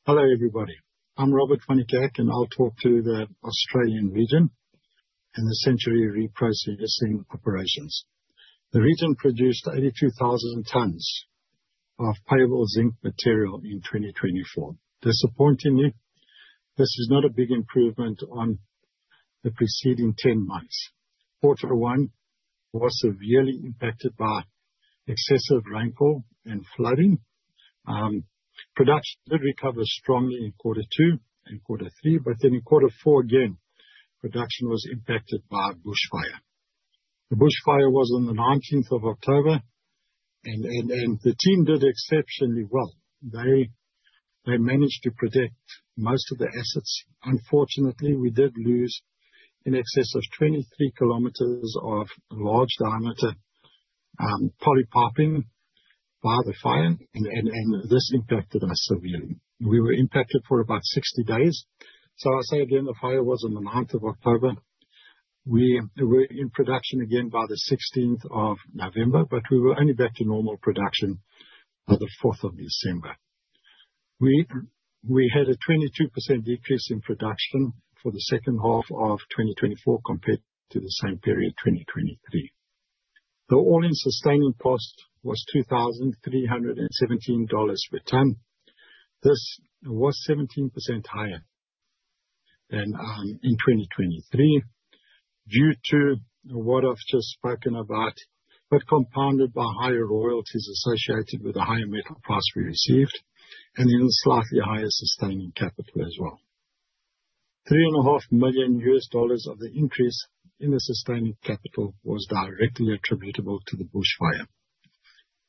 Hello, everybody. I'm Robert Van Niekerk, and I'll talk to the Australian region and the Century reprocessing zinc operations. The region produced 82,000 tons of payable zinc material in 2024. Disappointingly, this is not a big improvement on the preceding 10 months. Quarter one was severely impacted by excessive rainfall and flooding. Production did recover strongly in Quarter two and Quarter three, but then in Quarter four, again, production was impacted by bushfire. The bushfire was on the 19th of October, and the team did exceptionally well. They managed to protect most of the assets. Unfortunately, we did lose in excess of 23 km of large diameter poly piping by the fire, and this impacted us severely. We were impacted for about 60 days. So I'll say again, the fire was on the 9th of October. We were in production again by the 16th of November, but we were only back to normal production on the 4th of December. We had a 22% decrease in production for the second half of 2024 compared to the same period, 2023. The All-in Sustaining Cost was $2,317 per ton. This was 17% higher than in 2023 due to what I've just spoken about, but compounded by higher royalties associated with the higher metal costs we received, and it was slightly higher sustaining capital as well. $3.5 million of the increase in the sustaining capital was directly attributable to the bushfire.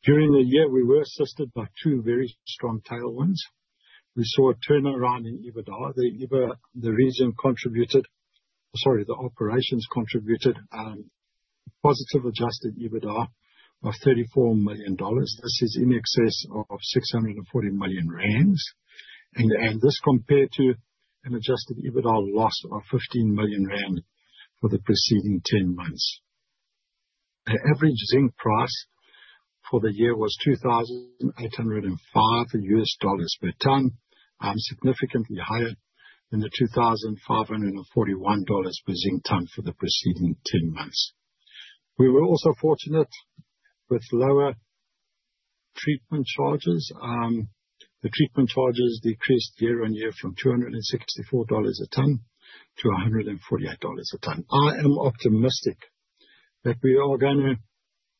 During the year, we were assisted by two very strong tailwinds. We saw a turnaround in EBITDA. The operations contributed a positive adjusted EBITDA of $34 million. This is in excess of 640 million rand. This compared to an adjusted EBITDA loss of 15 million rand for the preceding 10 months. The average zinc price for the year was $2,805 per ton, significantly higher than the $2,541 per zinc ton for the preceding 10 months. We were also fortunate with lower treatment charges. The treatment charges decreased year on year from $264 a ton to $148 a ton. I am optimistic that we are going to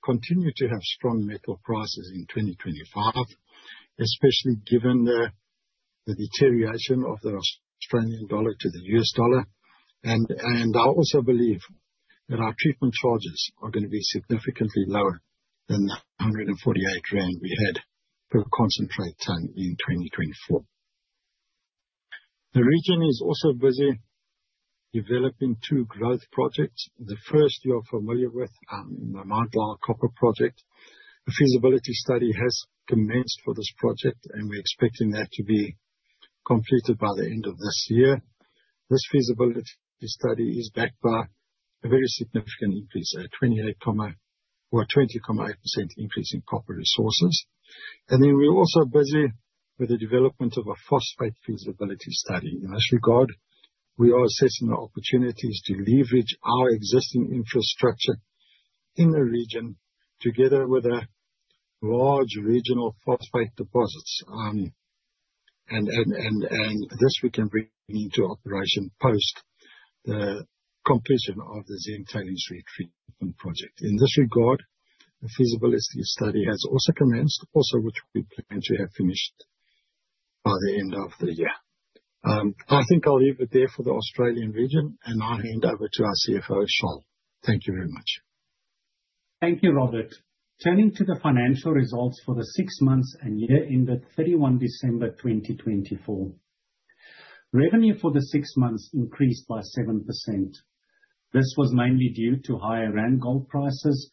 continue to have strong metal prices in 2025, especially given the deterioration of the Australian dollar to the U.S. dollar. I also believe that our treatment charges are going to be significantly lower than the $148 we had per concentrate ton in 2024. The region is also busy developing two growth projects. The first you are familiar with, the Mt. Lyell copper project. A feasibility study has commenced for this project, and we're expecting that to be completed by the end of this year. This feasibility study is backed by a very significant increase, a 28% or 20.8% increase in copper resources. And then we're also busy with the development of a phosphate feasibility study. In this regard, we are assessing the opportunities to leverage our existing infrastructure in the region together with a large regional phosphate deposits. And this we can bring into operation post the completion of the Century tailings retreatment project. In this regard, the feasibility study has also commenced, also which we plan to have finished by the end of the year. I think I'll leave it there for the Australian region, and I'll hand over to our CFO, Charl. Thank you very much. Thank you, Robert. Turning to the financial results for the six months and year ended 31 December 2024. Revenue for the six months increased by 7%. This was mainly due to higher rand gold prices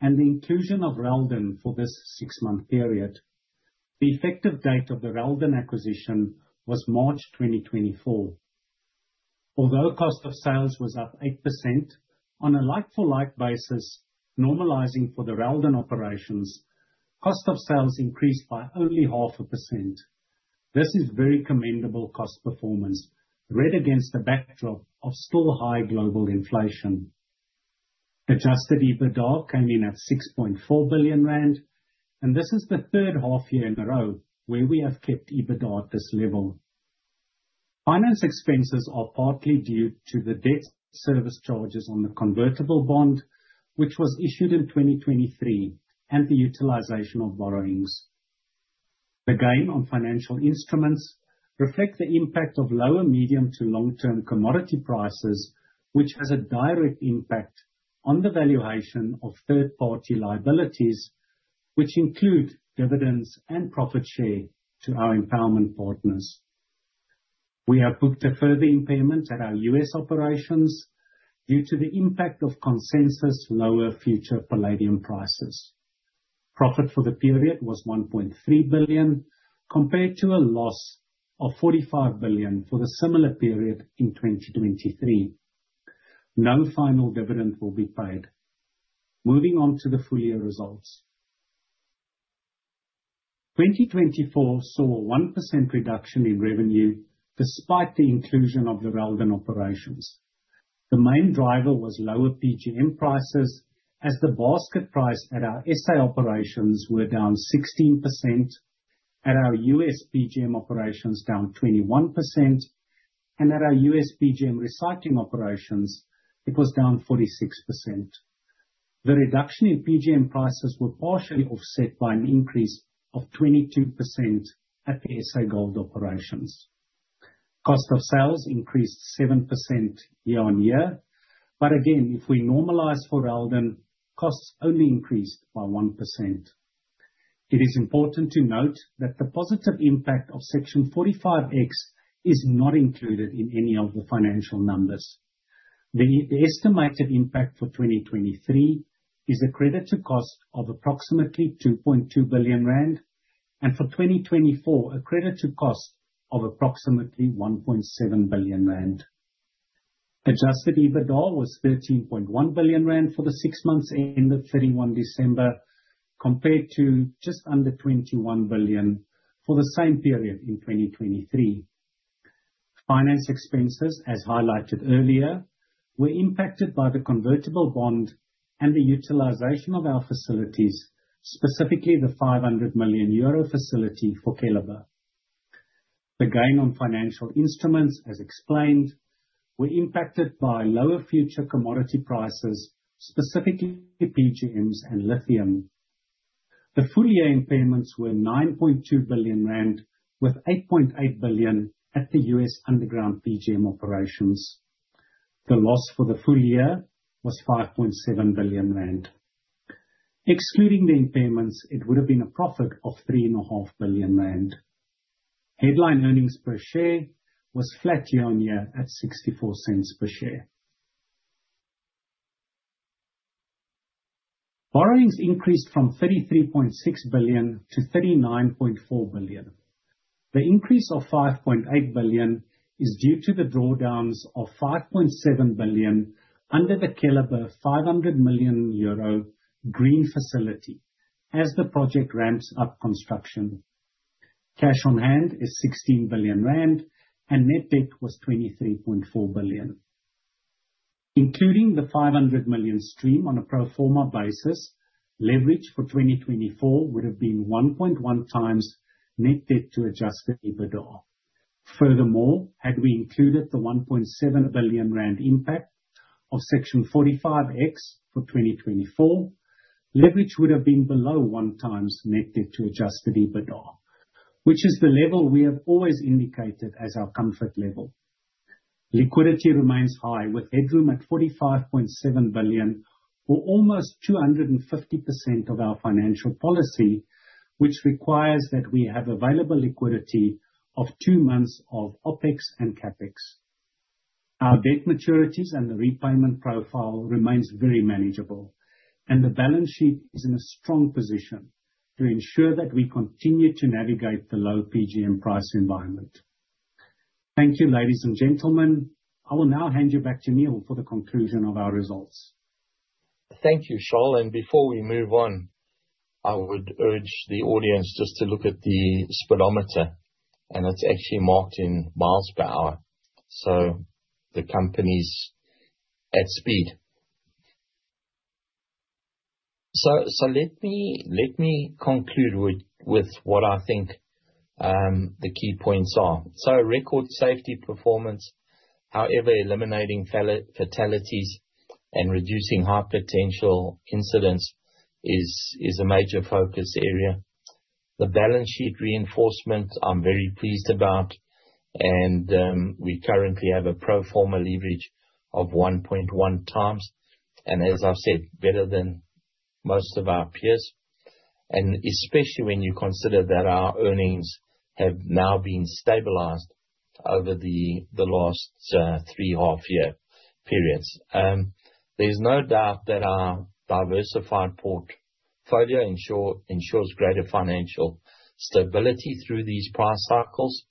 and the inclusion of Reldan for this six-month period. The effective date of the Reldan acquisition was March 2024. Although cost of sales was up 8%, on a like-for-like basis, normalizing for the Reldan operations, cost of sales increased by only 0.5%. This is very commendable cost performance, read against the backdrop of still high global inflation. Adjusted EBITDA came in at 6.4 billion rand, and this is the third half year in a row where we have kept EBITDA at this level. Finance expenses are partly due to the debt service charges on the convertible bond, which was issued in 2023, and the utilization of borrowings. The gain on financial instruments reflects the impact of lower medium- to long-term commodity prices, which has a direct impact on the valuation of third-party liabilities, which include dividends and profit share to our empowerment partners. We have booked a further impairment at our U.S. operations due to the impact of consensus lower future palladium prices. Profit for the period was 1.3 billion compared to a loss of 45 billion for the similar period in 2023. No final dividend will be paid. Moving on to the full year results. 2024 saw a 1% reduction in revenue despite the inclusion of the Reldan operations. The main driver was lower PGM prices, as the basket price at our SA operations were down 16%, at our U.S. PGM operations down 21%, and at our U.S. PGM recycling operations, it was down 46%. The reduction in PGM prices was partially offset by an increase of 22% at the SA Gold operations. Cost of sales increased 7% year on year, but again, if we normalize for Reldan, costs only increased by 1%. It is important to note that the positive impact of Section 45X is not included in any of the financial numbers. The estimated impact for 2023 is a credit to cost of approximately 2.2 billion rand, and for 2024, a credit to cost of approximately 1.7 billion rand. Adjusted EBITDA was 13.1 billion rand for the six months ended 31 December, compared to just under 21 billion for the same period in 2023. Finance expenses, as highlighted earlier, were impacted by the convertible bond and the utilization of our facilities, specifically the 500 million euro facility for Keliber. The gain on financial instruments, as explained, were impacted by lower future commodity prices, specifically PGMs and lithium. The full year impairments were 9.2 billion rand, with 8.8 billion at the U.S. underground PGM operations. The loss for the full year was 5.7 billion rand. Excluding the impairments, it would have been a profit of 3.5 billion rand. Headline earnings per share was flat year on year at 0.64 per share. Borrowings increased from 33.6 billion to 39.4 billion. The increase of 5.8 billion is due to the drawdowns of 5.7 billion under the Keliber 500 million euro green facility as the project ramps up construction. Cash on hand is 16 billion rand, and net debt was 23.4 billion. Including the 500 million stream on a pro forma basis, leverage for 2024 would have been 1.1 times net debt to adjusted EBITDA. Furthermore, had we included the 1.7 billion rand impact of Section 45X for 2024, leverage would have been below one times net debt to adjusted EBITDA, which is the level we have always indicated as our comfort level. Liquidity remains high, with headroom at 45.7 billion, or almost 250% of our financial policy, which requires that we have available liquidity of two months of OpEx and CapEx. Our debt maturities and the repayment profile remain very manageable, and the balance sheet is in a strong position to ensure that we continue to navigate the low PGM price environment. Thank you, ladies and gentlemen. I will now hand you back to Neal for the conclusion of our results. Thank you, Charl. And before we move on, I would urge the audience just to look at the speedometer, and it's actually marked in miles per hour. So the company's at speed. So let me conclude with what I think the key points are. So record safety performance, however, eliminating fatalities and reducing high potential incidents is a major focus area. The balance sheet reinforcement, I'm very pleased about, and we currently have a pro forma leverage of 1.1 times, and as I've said, better than most of our peers, and especially when you consider that our earnings have now been stabilized over the last three-and-a-half-year periods. There's no doubt that our diversified portfolio ensures greater financial stability through these price cycles.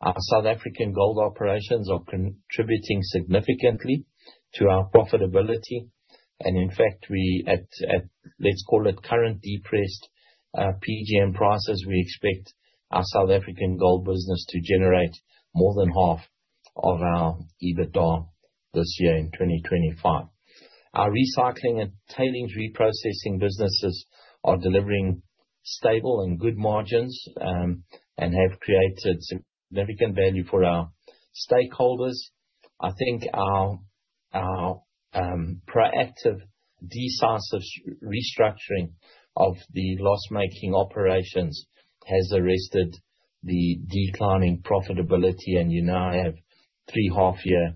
Our South African gold operations are contributing significantly to our profitability, and in fact, let's call it current depressed PGM prices, we expect our South African gold business to generate more than half of our EBITDA this year in 2025. Our recycling and tailings reprocessing businesses are delivering stable and good margins and have created significant value for our stakeholders. I think our proactive decisive restructuring of the loss-making operations has arrested the declining profitability, and you now have three and a half year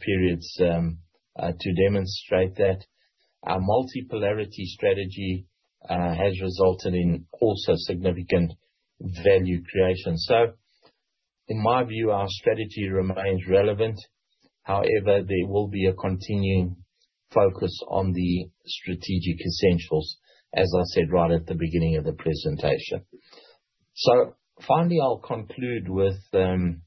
periods to demonstrate that. Our multi-polarity strategy has resulted in also significant value creation. So in my view, our strategy remains relevant. However, there will be a continuing focus on the strategic essentials, as I said right at the beginning of the presentation. So finally, I'll conclude with guidance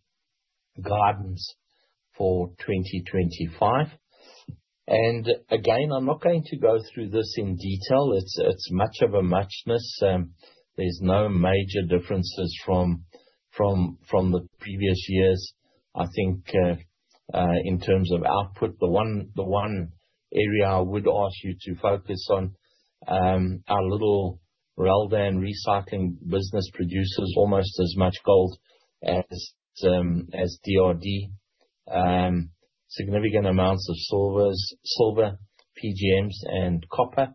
for 2025. And again, I'm not going to go through this in detail. It's much of a muchness. There's no major differences from the previous years. I think in terms of output, the one area I would ask you to focus on are little Reldan recycling business producers almost as much gold as DRD, significant amounts of silver, PGMs, and copper.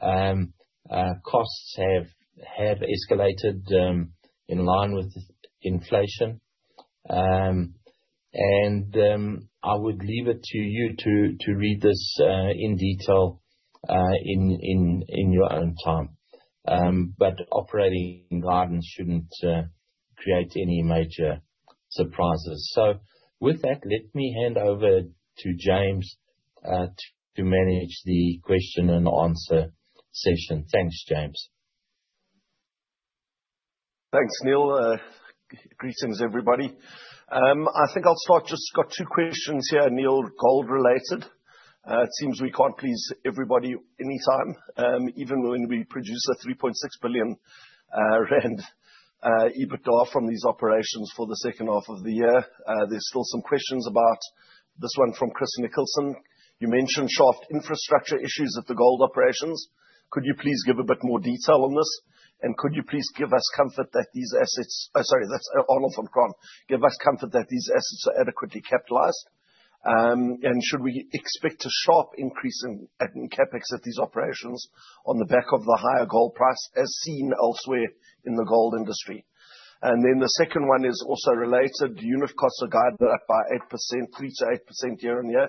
Costs have escalated in line with inflation, and I would leave it to you to read this in detail in your own time, but operating guidance shouldn't create any major surprises, so with that, let me hand over to James to manage the question-and -answer session. Thanks, James. Thanks, Neal. Greetings, everybody. I think I've just got two questions here, Neal, gold related. It seems we can't please everybody anytime, even though we produce a 3.6 billion rand EBITDA from these operations for the second half of the year. There's still some questions about this one from Chris Nicholson. You mentioned shaft infrastructure issues at the gold operations. Could you please give a bit more detail on this? And could you please give us comfort that these assets, oh, sorry, that's Arnold van Graan, give us comfort that these assets are adequately capitalized? And should we expect a sharp increase in CapEx at these operations on the back of the higher gold price as seen elsewhere in the gold industry? And then the second one is also related: unit costs are guided up by 8%, 3%-8% year on year.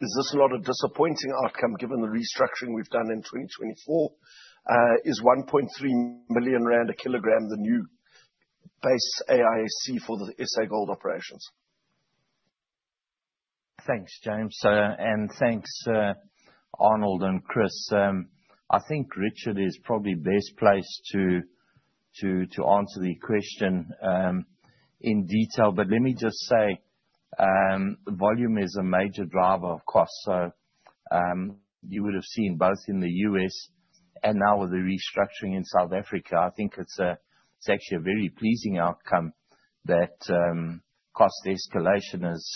Is this not a disappointing outcome given the restructuring we've done in 2024? Is 1.3 million rand a kg the new base AISC for the SA Gold operations? Thanks, James, and thanks, Arnold and Chris. I think Richard is probably the best place to answer the question in detail, but let me just say volume is a major driver of cost. You would have seen both in the U.S. and now with the restructuring in South Africa. I think it's actually a very pleasing outcome that cost escalation has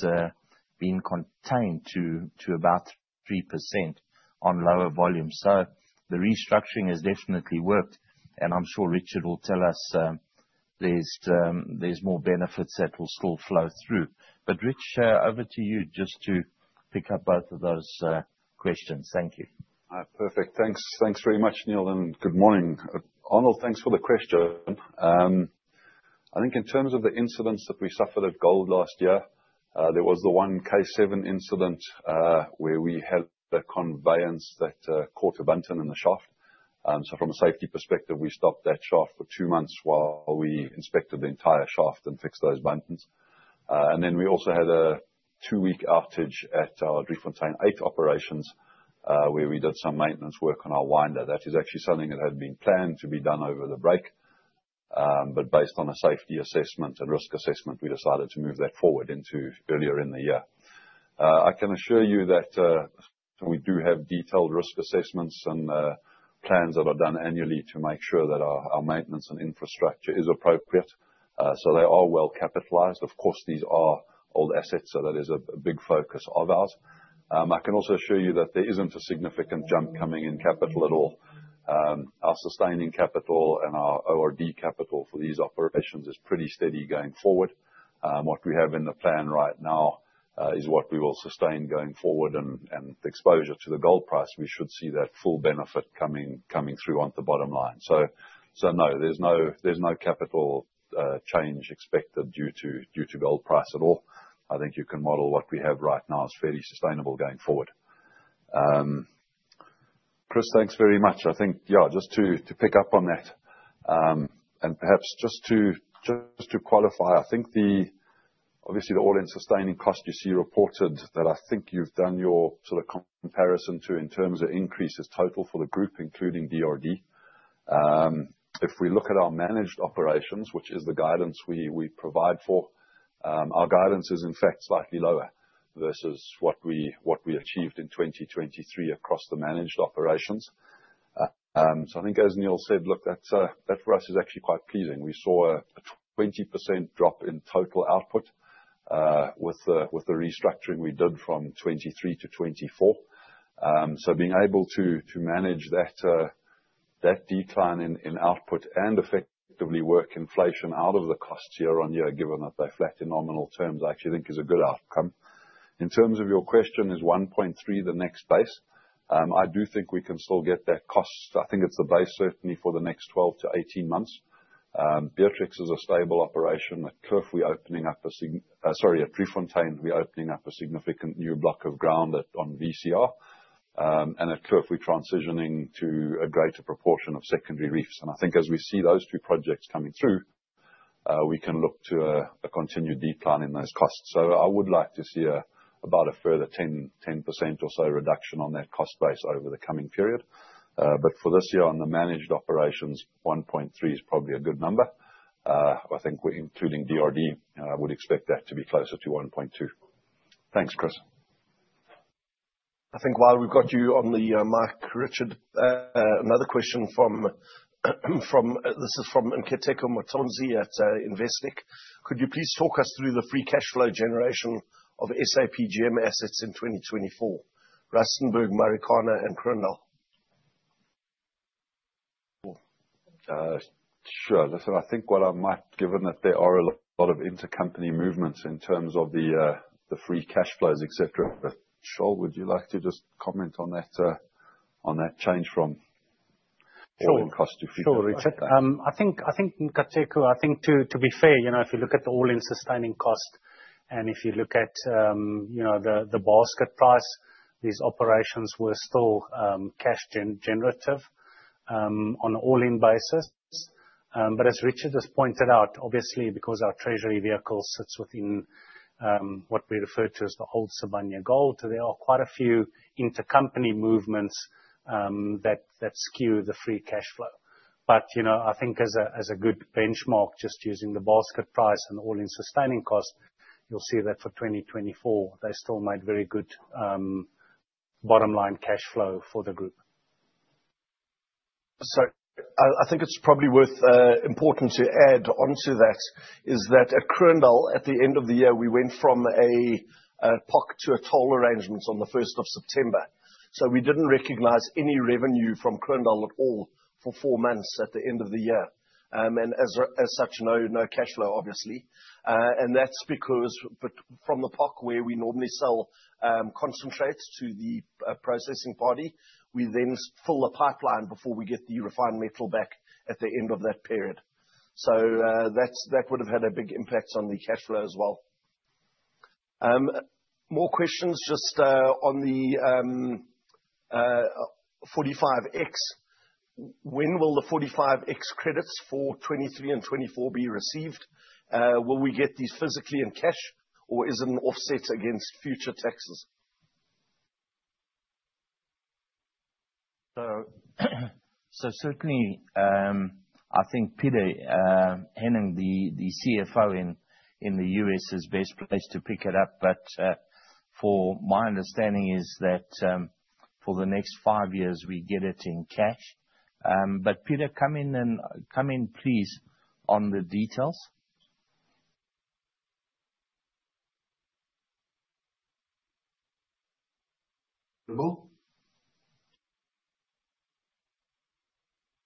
been contained to about 3% on lower volume. So the restructuring has definitely worked, and I'm sure Richard will tell us there's more benefits that will still flow through. But Rich, over to you just to pick up both of those questions. Thank you. Perfect. Thanks. Thanks very much, Neal, and good morning. Arnold, thanks for the question. I think in terms of the incidents that we suffered at gold last year, there was the one K7 incident where we had the conveyance that caught a bunton in the shaft. So from a safety perspective, we stopped that shaft for two months while we inspected the entire shaft and fixed those bunton. Then we also had a two-week outage at our Driefontein 8 operations where we did some maintenance work on our winder. That is actually something that had been planned to be done over the break, but based on a safety assessment and risk assessment, we decided to move that forward into earlier in the year. I can assure you that we do have detailed risk assessments and plans that are done annually to make sure that our maintenance and infrastructure is appropriate. So they are well capitalized. Of course, these are old assets, so that is a big focus of ours. I can also assure you that there isn't a significant jump coming in capital at all. Our sustaining capital and our ORD capital for these operations is pretty steady going forward. What we have in the plan right now is what we will sustain going forward, and the exposure to the gold price, we should see that full benefit coming through on the bottom line. So no, there's no capital change expected due to gold price at all. I think you can model what we have right now as fairly sustainable going forward. Chris, thanks very much. I think, yeah, just to pick up on that and perhaps just to qualify, I think obviously the All-in Sustaining Costs you see reported, that I think you've done your sort of comparison to in terms of increases total for the group, including DRD. If we look at our managed operations, which is the guidance we provide for, our guidance is in fact slightly lower versus what we achieved in 2023 across the managed operations. So I think, as Neal said, look, that for us is actually quite pleasing. We saw a 20% drop in total output with the restructuring we did from 2023 to 2024. So being able to manage that decline in output and effectively work inflation out of the cost year on year, given that they flatten nominal terms, I actually think is a good outcome. In terms of your question, is 1.3 the next base? I do think we can still get that cost. I think it's a base certainly for the next 12-18 months. Beatrix is a stable operation. At Driefontein, we're opening up a significant new block of ground on VCR, and at Kloof, we're transitioning to a greater proportion of secondary reefs. And I think as we see those two projects coming through, we can look to a continued decline in those costs. So I would like to see about a further 10% or so reduction on that cost base over the coming period. But for this year on the managed operations, 1.3 is probably a good number. I think including DRD, I would expect that to be closer to 1.2. Thanks, Chris. I think while we've got you on the mic, Richard, another question from. This is from Nkateko Mathonsi at Investec. Could you please talk us through the free cash flow generation of SA PGM assets in 2024? Rustenburg, Marikana, and Kroondal. Sure. Listen, I think what I might, given that there are a lot of intercompany movements in terms of the free cash flows, et cetera. Charl, would you like to just comment on that change from all-in cost if you could? Sure, Richard. I think, Nkateko, I think to be fair, if you look at the all-in sustaining cost and if you look at the basket price, these operations were still cash generative on an all-in basis. But as Richard has pointed out, obviously, because our treasury vehicle sits within what we refer to as the old Sibanye Gold, there are quite a few intercompany movements that skew the free cash flow. But I think as a good benchmark, just using the basket price and all-in sustaining cost, you'll see that for 2024, they still made very good bottom line cash flow for the group. So I think it's probably worth important to add onto that is that at Kroondal, at the end of the year, we went from a POC to a toll arrangement on the 1st of September. So we didn't recognize any revenue from Kroondal at all for four months at the end of the year. And as such, no cash flow, obviously. And that's because from the POC, where we normally sell concentrates to the processing party, we then fill the pipeline before we get the refined metal back at the end of that period. So that would have had a big impact on the cash flow as well. More questions just on the 45X. When will the 45X credits for 2023 and 2024 be received? Will we get these physically in cash, or is it an offset against future taxes? Certainly, I think Pieter Henning, the CFO in the U.S., is best placed to pick it up. But for my understanding, it is that for the next five years, we get it in cash. But Pieter, come in, please, on the details.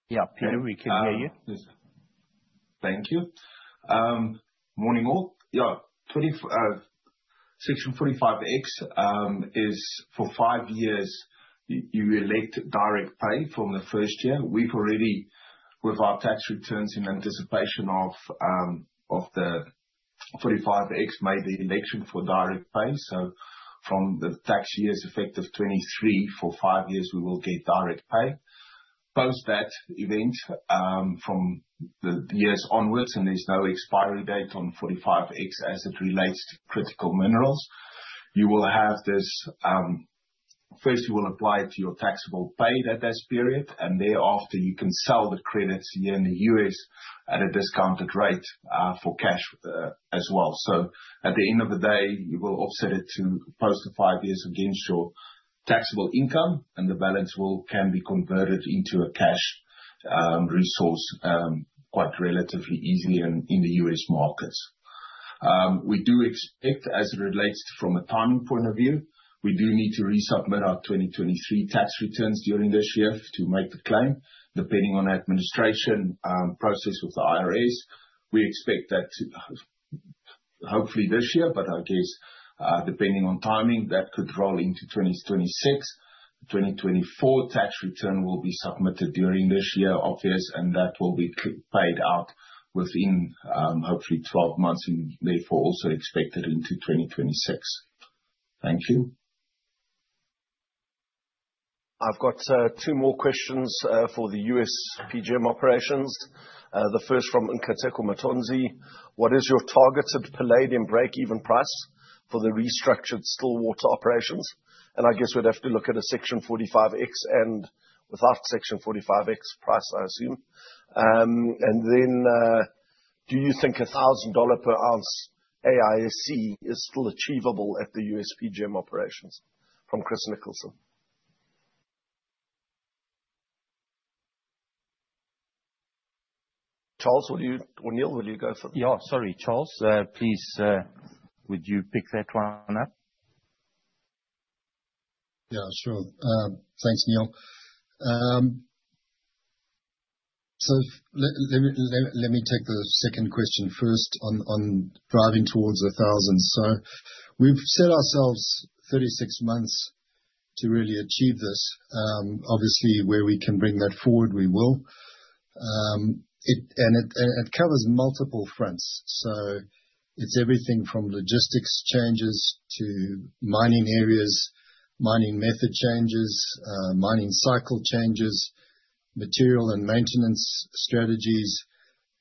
Yeah, Pieter, we can hear you. Thank you. Morning all. Yeah, Section 45X is for five years. You elect direct pay from the first year. We've already, with our tax returns in anticipation of the 45X, made the election for direct pay. So from the tax years effective 2023, for five years, we will get direct pay. Post that event, from the years onwards, and there's no expiry date on the 45X as it relates to critical minerals. You will have this, first. You will apply it to your taxes payable at that period, and thereafter, you can sell the credits here in the U.S. at a discounted rate for cash as well, so at the end of the day, you will offset it to post the five years of the insured taxable income, and the balance can be converted into a cash resource quite relatively easily in the U.S. markets. We do expect, as it relates from a timing point of view, we do need to resubmit our 2023 tax returns during this year to make the claim. Depending on administration process with the IRS, we expect that hopefully this year, but I guess depending on timing, that could roll into 2026. The 2024 tax return will be submitted during this year of years, and that will be paid out within hopefully 12 months, and therefore also expected into 2026. Thank you. I've got two more questions for the U.S. PGM operations. The first from Nkateko Mathonsi. What is your targeted Palladium break-even price for the restructured Stillwater operations? And I guess we'd have to look at a Section 45X and without Section 45X price, I assume. And then do you think $1,000 per ounce AISC is still achievable at the U.S. PGM operations? From Chris Nicholson. Charles, will you, Neal, will you go for, yeah, sorry, Charles, please, would you pick that one up? Yeah, sure. Thanks, Neal. So let me take the second question first on driving towards 1,000. So we've set ourselves 36 months to really achieve this. Obviously, where we can bring that forward, we will. It covers multiple fronts. It's everything from logistics changes to mining areas, mining method changes, mining cycle changes, material and maintenance strategies,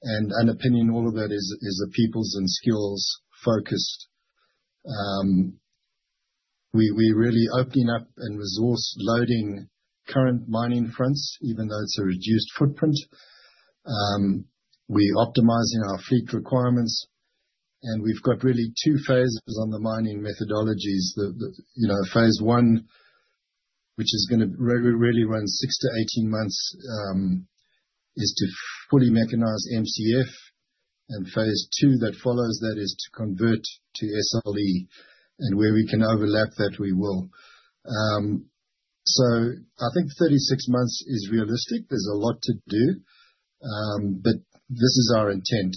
and, in my opinion, all of that is a people and skills focus. We're really opening up and resource loading current mining fronts, even though it's a reduced footprint. We're optimizing our fleet requirements, and we've got really two phases on the mining methodologies. Phase I, which is going to really run six to 18 months, is to fully mechanize MCF. Phase II that follows that is to convert to SLS, and where we can overlap that, we will. I think 36 months is realistic. There's a lot to do, but this is our intent.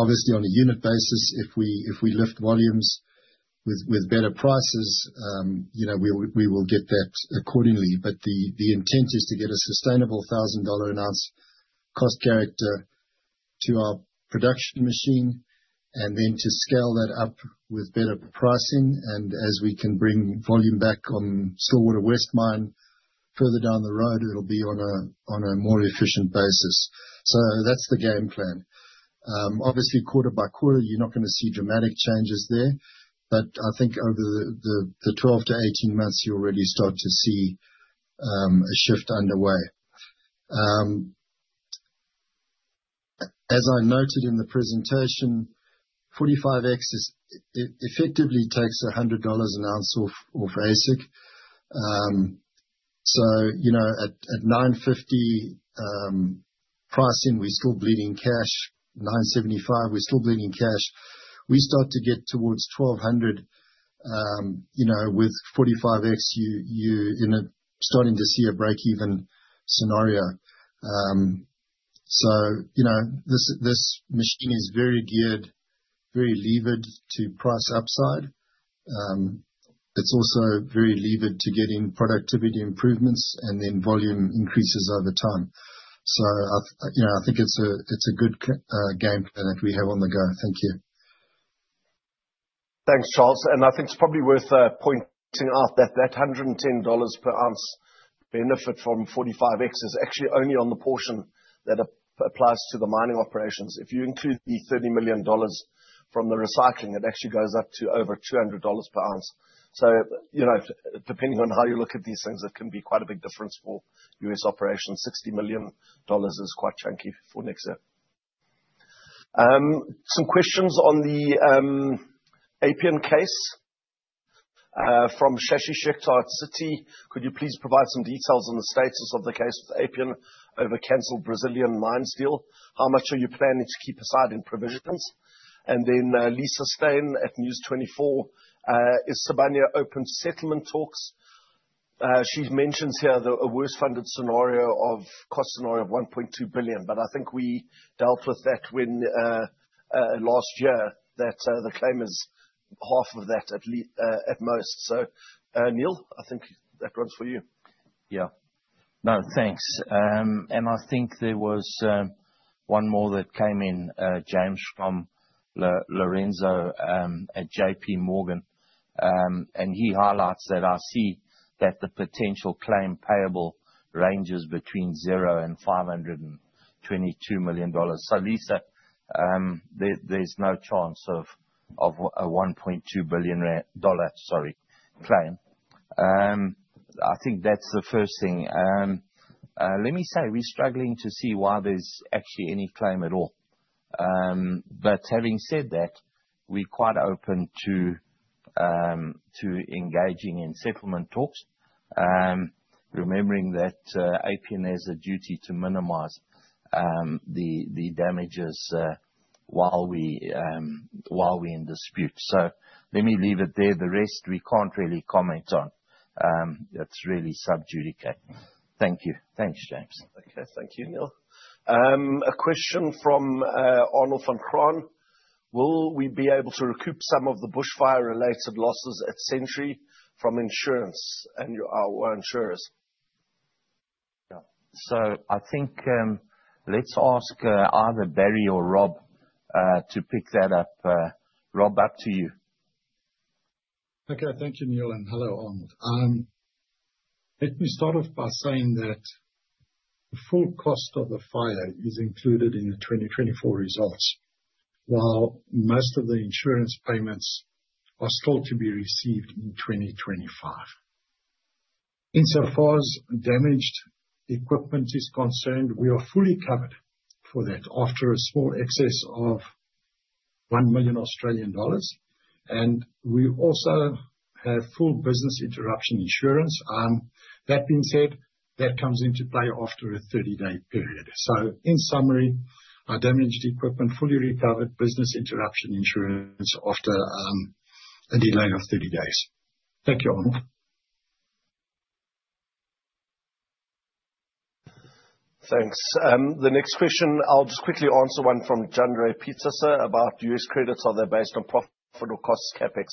Obviously, on a unit basis, if we lift volumes with better prices, we will get that accordingly. But the intent is to get a sustainable $1,000 an ounce cost structure to our production machine, and then to scale that up with better pricing. And as we can bring volume back on Stillwater West Mine, further down the road, it'll be on a more efficient basis. So that's the game plan. Obviously, quarter-by-quarter, you're not going to see dramatic changes there, but I think over the 12-18 months, you'll already start to see a shift underway. As I noted in the presentation, 45X effectively takes $100 an ounce off AISC. So at $950 pricing, we're still bleeding cash. $975, we're still bleeding cash. We start to get towards $1,200 with 45X, you're starting to see a break-even scenario. So this machine is very geared, very levered to price upside. It's also very levered to getting productivity improvements and then volume increases over time. So I think it's a good game plan that we have on the go. Thank you. Thanks, Charles. And I think it's probably worth pointing out that that $110 per ounce benefit from 45X is actually only on the portion that applies to the mining operations. If you include the $30 million from the recycling, it actually goes up to over $200 per ounce. So depending on how you look at these things, it can be quite a big difference for U.S. operations. $60 million is quite chunky for next year. Some questions on the Appian case. From Shashi Chettiar, Citi, could you please provide some details on the status of the case with Appian over canceled Brazilian mines deal? How much are you planning to keep aside in provisions? And then Lisa Steyn at News24, is Sibanye open settlement talks? She mentions here a worst-case scenario of cost scenario of $1.2 billion, but I think we dealt with that last year. The claim is half of that at most. So, Neal, I think that runs for you. Yeah. No, thanks. And I think there was one more that came in, James, from Lorenzo D'Angelo at J.P. Morgan. And he highlights that I see that the potential claim payable ranges between $0 and $522 million. So, Lisa, there's no chance of a $1.2 billion claim. I think that's the first thing. Let me say, we're struggling to see why there's actually any claim at all. But having said that, we're quite open to engaging in settlement talks, remembering that Appian has a duty to minimize the damages while we're in dispute. So let me leave it there. The rest, we can't really comment on. That's really sub judice. Thank you. Thanks, James. Okay, thank you, Neal. A question from Arnold Van Graan. Will we be able to recoup some of the bushfire-related losses at Century from insurance and our insurers? Yeah. So I think let's ask either Barry or Rob to pick that up. Rob, back to you. Okay, thank you, Neal. And hello, Arnold. Let me start off by saying that the full cost of the fire is included in the 2024 results, while most of the insurance payments are thought to be received in 2025. Insofar as damaged equipment is concerned, we are fully covered for that after a small excess of 1 million Australian dollars. And we also have full business interruption insurance. That being said, that comes into play after a 30-day period. So, in summary, our damaged equipment, fully recovered business interruption insurance after a delay of 30 days. Thank you, Arnold. Thanks. The next question, I'll just quickly answer one from Jandré Pienaar about U.S. credits: are they based on profit or cost CapEx?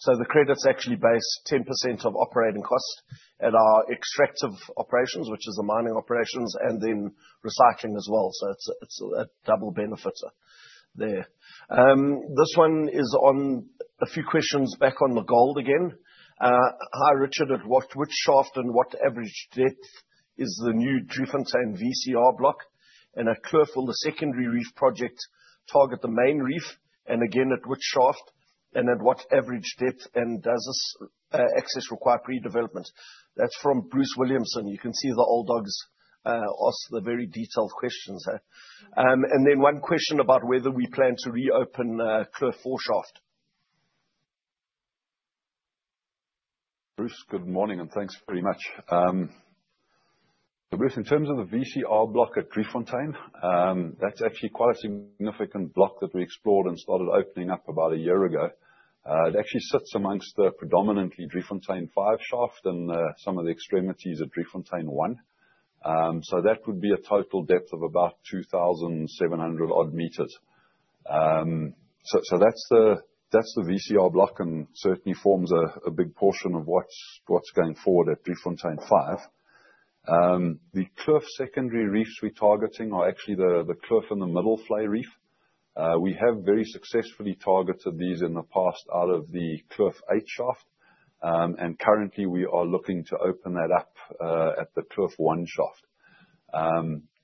So the credits actually based on 10% of operating costs at our extractive operations, which is the mining operations, and then recycling as well. So it's a double benefit there. This one is on a few questions back on the gold again. Hi, Richard. At what shaft and what average depth is the new Driefontein VCR Block and at Kloof, the secondary reef project target the Main Reef. And again, at which shaft and at what average depth and does this access require pre-development? That's from Bruce Williamson. You can see the old dogs ask the very detailed questions. And then one question about whether we plan to reopen the fourth shaft. Bruce, good morning and thanks very much. Bruce, in terms of the VCR Block at Driefontein, that's actually quite a significant block that we explored and started opening up about a year ago. It actually sits amongst the predominantly Driefontein 5 shaft and some of the extremities at Driefontein 1. So that would be a total depth of about 2,700 odd meters. So that's the VCR Block and certainly forms a big portion of what's going forward at Driefontein 5. The Turf secondary reefs we're targeting are actually the Turf and the Middelvlei Reef. We have very successfully targeted these in the past out of the Turf 8 shaft. And currently, we are looking to open that up at the Turf 1 shaft.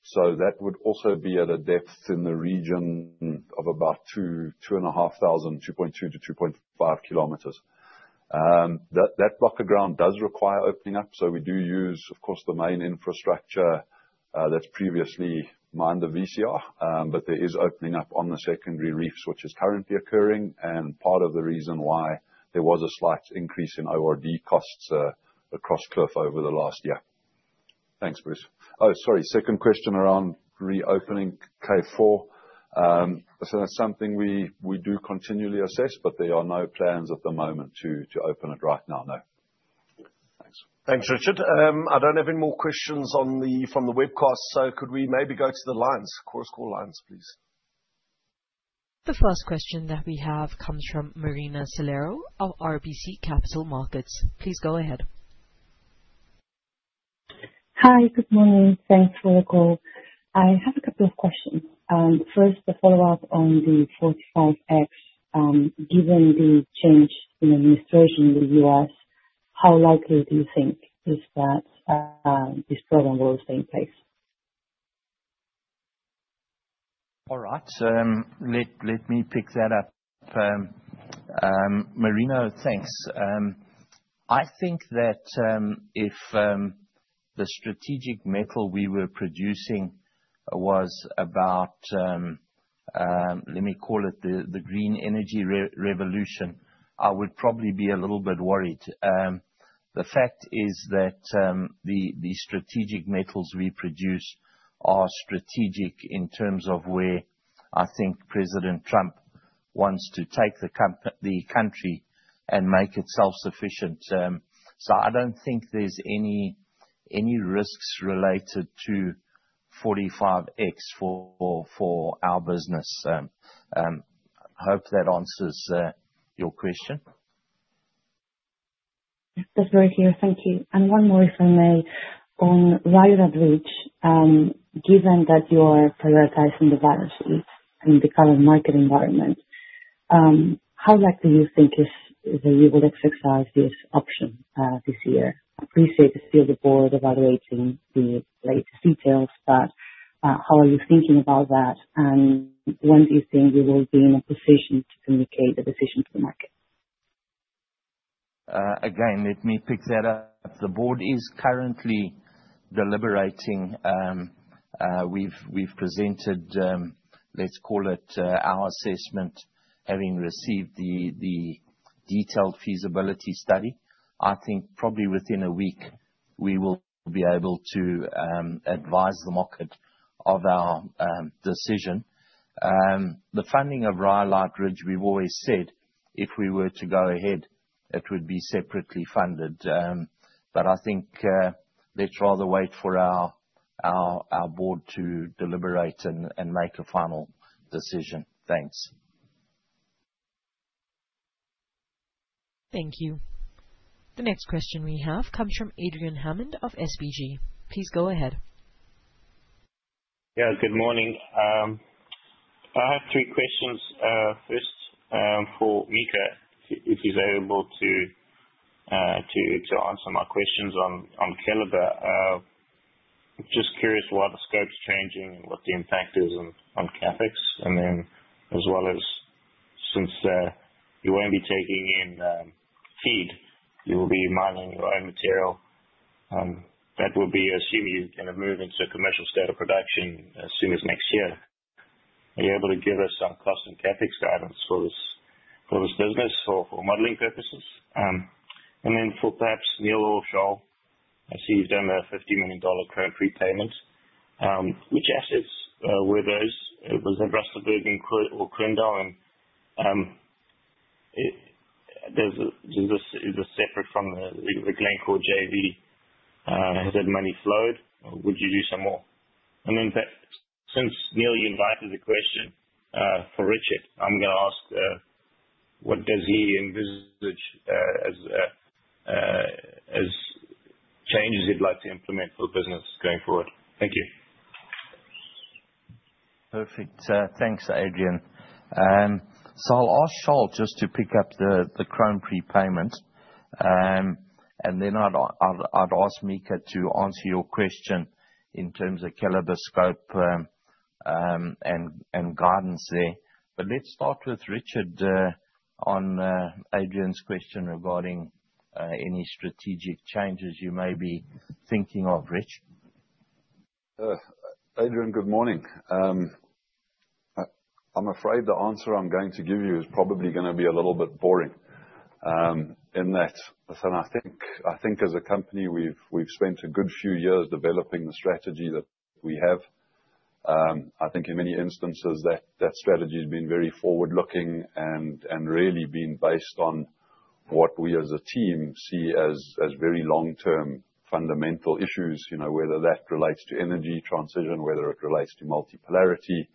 So that would also be at a depth in the region of about 2,500, 2.2 to 2.5 km. That block of ground does require opening up. So we do use, of course, the main infrastructure that's previously mined the VCR, but there is opening up on the secondary reefs, which is currently occurring, and part of the reason why there was a slight increase in ORD costs across turf over the last year. Thanks, Bruce. Oh, sorry, second question around reopening K4. So that's something we do continually assess, but there are no plans at the moment to open it right now. No. Thanks, Richard. I don't have any more questions from the webcast. So could we maybe go to the lines? Of course, call lines, please. The first question that we have comes from Marina Calero of RBC Capital Markets. Please go ahead. Hi, good morning. Thanks for the call. I have a couple of questions. First, to follow up on the 45X, given the change in administration in the U.S., how likely do you think this program will stay in place? All right. Let me pick that up. Marina, thanks. I think that if the strategic metal we were producing was about, let me call it the green energy revolution, I would probably be a little bit worried. The fact is that the strategic metals we produce are strategic in terms of where I think President Trump wants to take the country and make it self-sufficient. So I don't think there's any risks related to 45X for our business. I hope that answers your question. That's very clear. Thank you. And one more, if I may, on Rhyolite Ridge, given that you are prioritizing the value chain in the current market environment, how likely do you think you will exercise this option this year? Appreciate the field report evaluating the latest details, but how are you thinking about that? And when do you think you will be in a position to communicate the decision to the market? Again, let me pick that up. The board is currently deliberating. We've presented, let's call it our assessment, having received the detailed feasibility study. I think probably within a week, we will be able to advise the market of our decision. The funding of Rhyolite Ridge, we've always said, if we were to go ahead, it would be separately funded. But I think let's rather wait for our board to deliberate and make a final decision. Thanks. Thank you. The next question we have comes from Adrian Hammond of SBG. Please go ahead. Y eah, good morning. I have three questions. First, for Mika, if she's able to answer my questions on Keliber. I'm just curious why the scope's changing and what the impact is on CapEx, and then as well as since you won't be taking in feed, you will be mining your own material. That will be assumed you're going to move into the commercial state of production as soon as next year. Are you able to give us some cost and CapEx guidance for this business for modeling purposes? And then for perhaps Neal or Charl, I see you've done a $50 million current repayment. Which assets were those? Was it Rustenburg or Kroondal? And is this separate from the Glencore JV? Has that money flowed? Would you do some more? And then since Neal invited the question for Richard, I'm going to ask what does he envisage as changes he'd like to implement for the business going forward? Thank you. Perfect. Thanks, Adrian. So I'll ask Charles just to pick up the current repayments. And then I'd ask Mika to answer your question in terms of Keliber scope and guidance there. But let's start with Richard on Adrian's question regarding any strategic changes you may be thinking of, Richard. Adrian, good morning. I'm afraid the answer I'm going to give you is probably going to be a little bit boring in that. I think as a company, we've spent a good few years developing the strategy that we have. I think in many instances, that strategy has been very forward-looking and really been based on what we as a team see as very long-term fundamental issues, whether that relates to energy transition, whether it relates to multipolarity.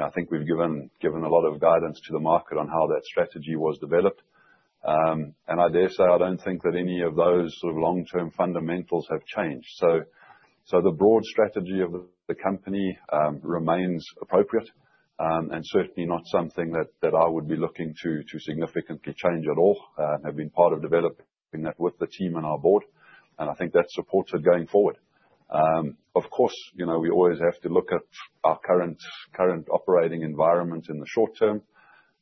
I think we've given a lot of guidance to the market on how that strategy was developed. I dare say I don't think that any of those sort of long-term fundamentals have changed. So the broad strategy of the company remains appropriate and certainly not something that I would be looking to significantly change at all. I have been part of developing that with the team and our board. And I think that supports it going forward. Of course, we always have to look at our current operating environment in the short term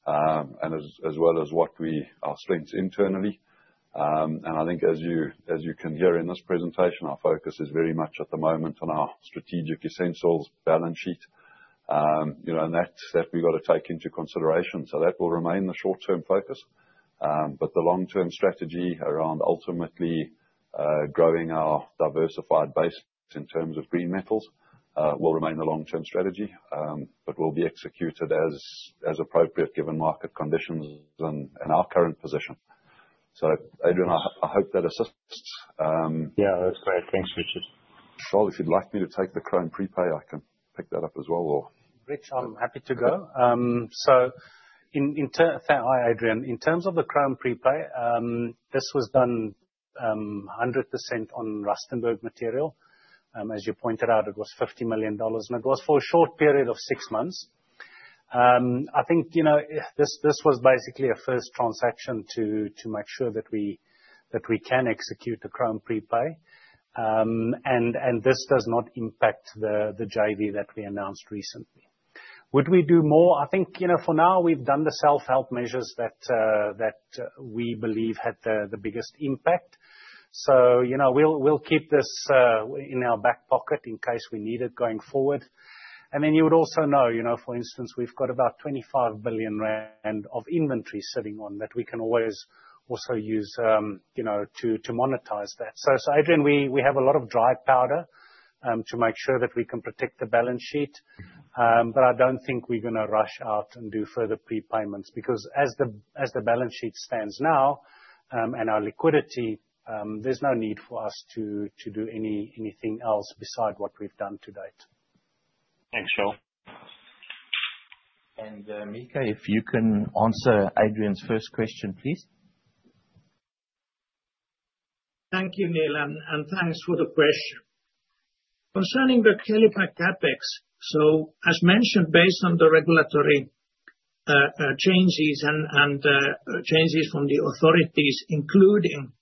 and as well as our strengths internally. And I think as you can hear in this presentation, our focus is very much at the moment on our strategic essentials balance sheet. And that's that we've got to take into consideration. So that will remain the short-term focus. But the long-term strategy around ultimately growing our diversified base in terms of green metals will remain the long-term strategy, but will be executed as appropriate given market conditions and our current position. So, Adrian, I hope that assists. Yeah, that's great. Thanks, Richard. So if you'd like me to take the Chrome prepay, I can pick that up as well, or. Rich, I'm happy to go. So in terms of the Chrome prepay, this was done 100% on Rustenburg material. As you pointed out, it was $50 million, and it was for a short period of six months. I think this was basically a first transaction to make sure that we can execute the Chrome prepay. And this does not impact the JV that we announced recently. Would we do more? I think for now, we've done the self-help measures that we believe had the biggest impact. We'll keep this in our back pocket in case we need it going forward. And then you would also know, for instance, we've got about 25 billion rand of inventory sitting on that we can always also use to monetize that. So, Adrian, we have a lot of dry powder to make sure that we can protect the balance sheet. But I don't think we're going to rush out and do further prepayments because as the balance sheet stands now and our liquidity, there's no need for us to do anything else beside what we've done to date. Thanks, Charl. And Mika, if you can answer Adrian's first question, please. Thank you, Neal. And thanks for the question. Concerning the Keliber CapEx, so as mentioned, based on the regulatory changes and changes from the authorities, including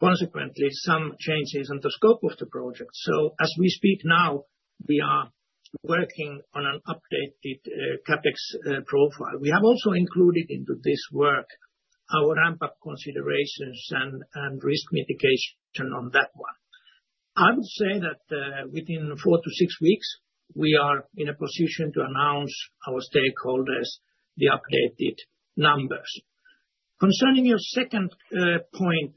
consequently some changes in the scope of the project. So as we speak now, we are working on an updated CapEx profile. We have also included into this work our ramp-up considerations and risk mitigation on that one. I would say that within four to six weeks, we are in a position to announce our stakeholders the updated numbers. Concerning your second point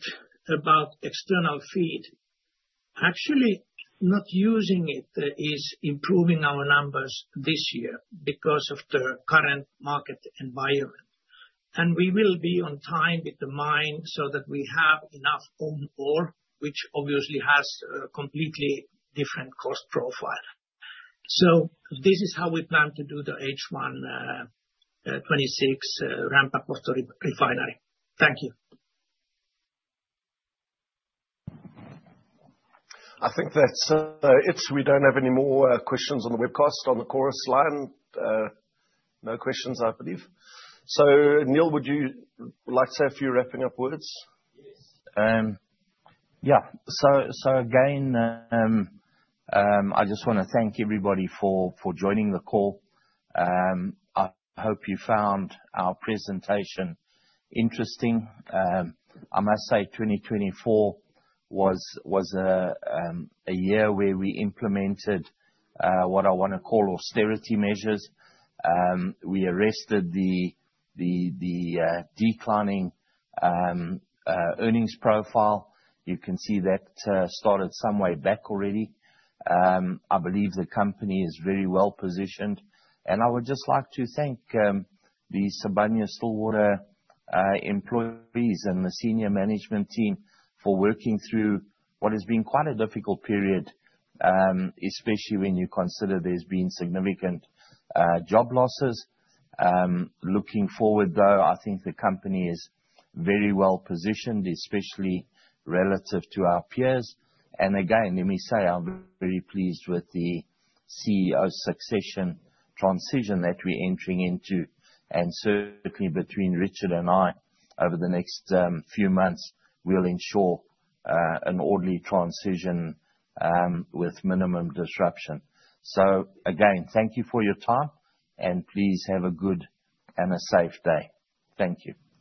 about external feed, actually not using it is improving our numbers this year because of the current market environment. And we will be on time with the mine so that we have enough own ore, which obviously has a completely different cost profile. So this is how we plan to do the H126 ramp-up of the refinery. Thank you. I think that's it. We don't have any more questions on the webcast on the chorus line. No questions, I believe. So, Neal, would you like to say a few wrapping up words? Yeah. So again, I just want to thank everybody for joining the call. I hope you found our presentation interesting. I must say 2024 was a year where we implemented what I want to call austerity measures. We arrested the declining earnings profile. You can see that started some way back already. I believe the company is very well positioned. And I would just like to thank the Sibanye-Stillwater employees and the senior management team for working through what has been quite a difficult period, especially when you consider there's been significant job losses. Looking forward, though, I think the company is very well positioned, especially relative to our peers. And again, let me say I'm very pleased with the CEO succession transition that we're entering into. And certainly between Richard and I, over the next few months, we'll ensure an orderly transition with minimum disruption. So again, thank you for your time, and please have a good and a safe day. Thank you.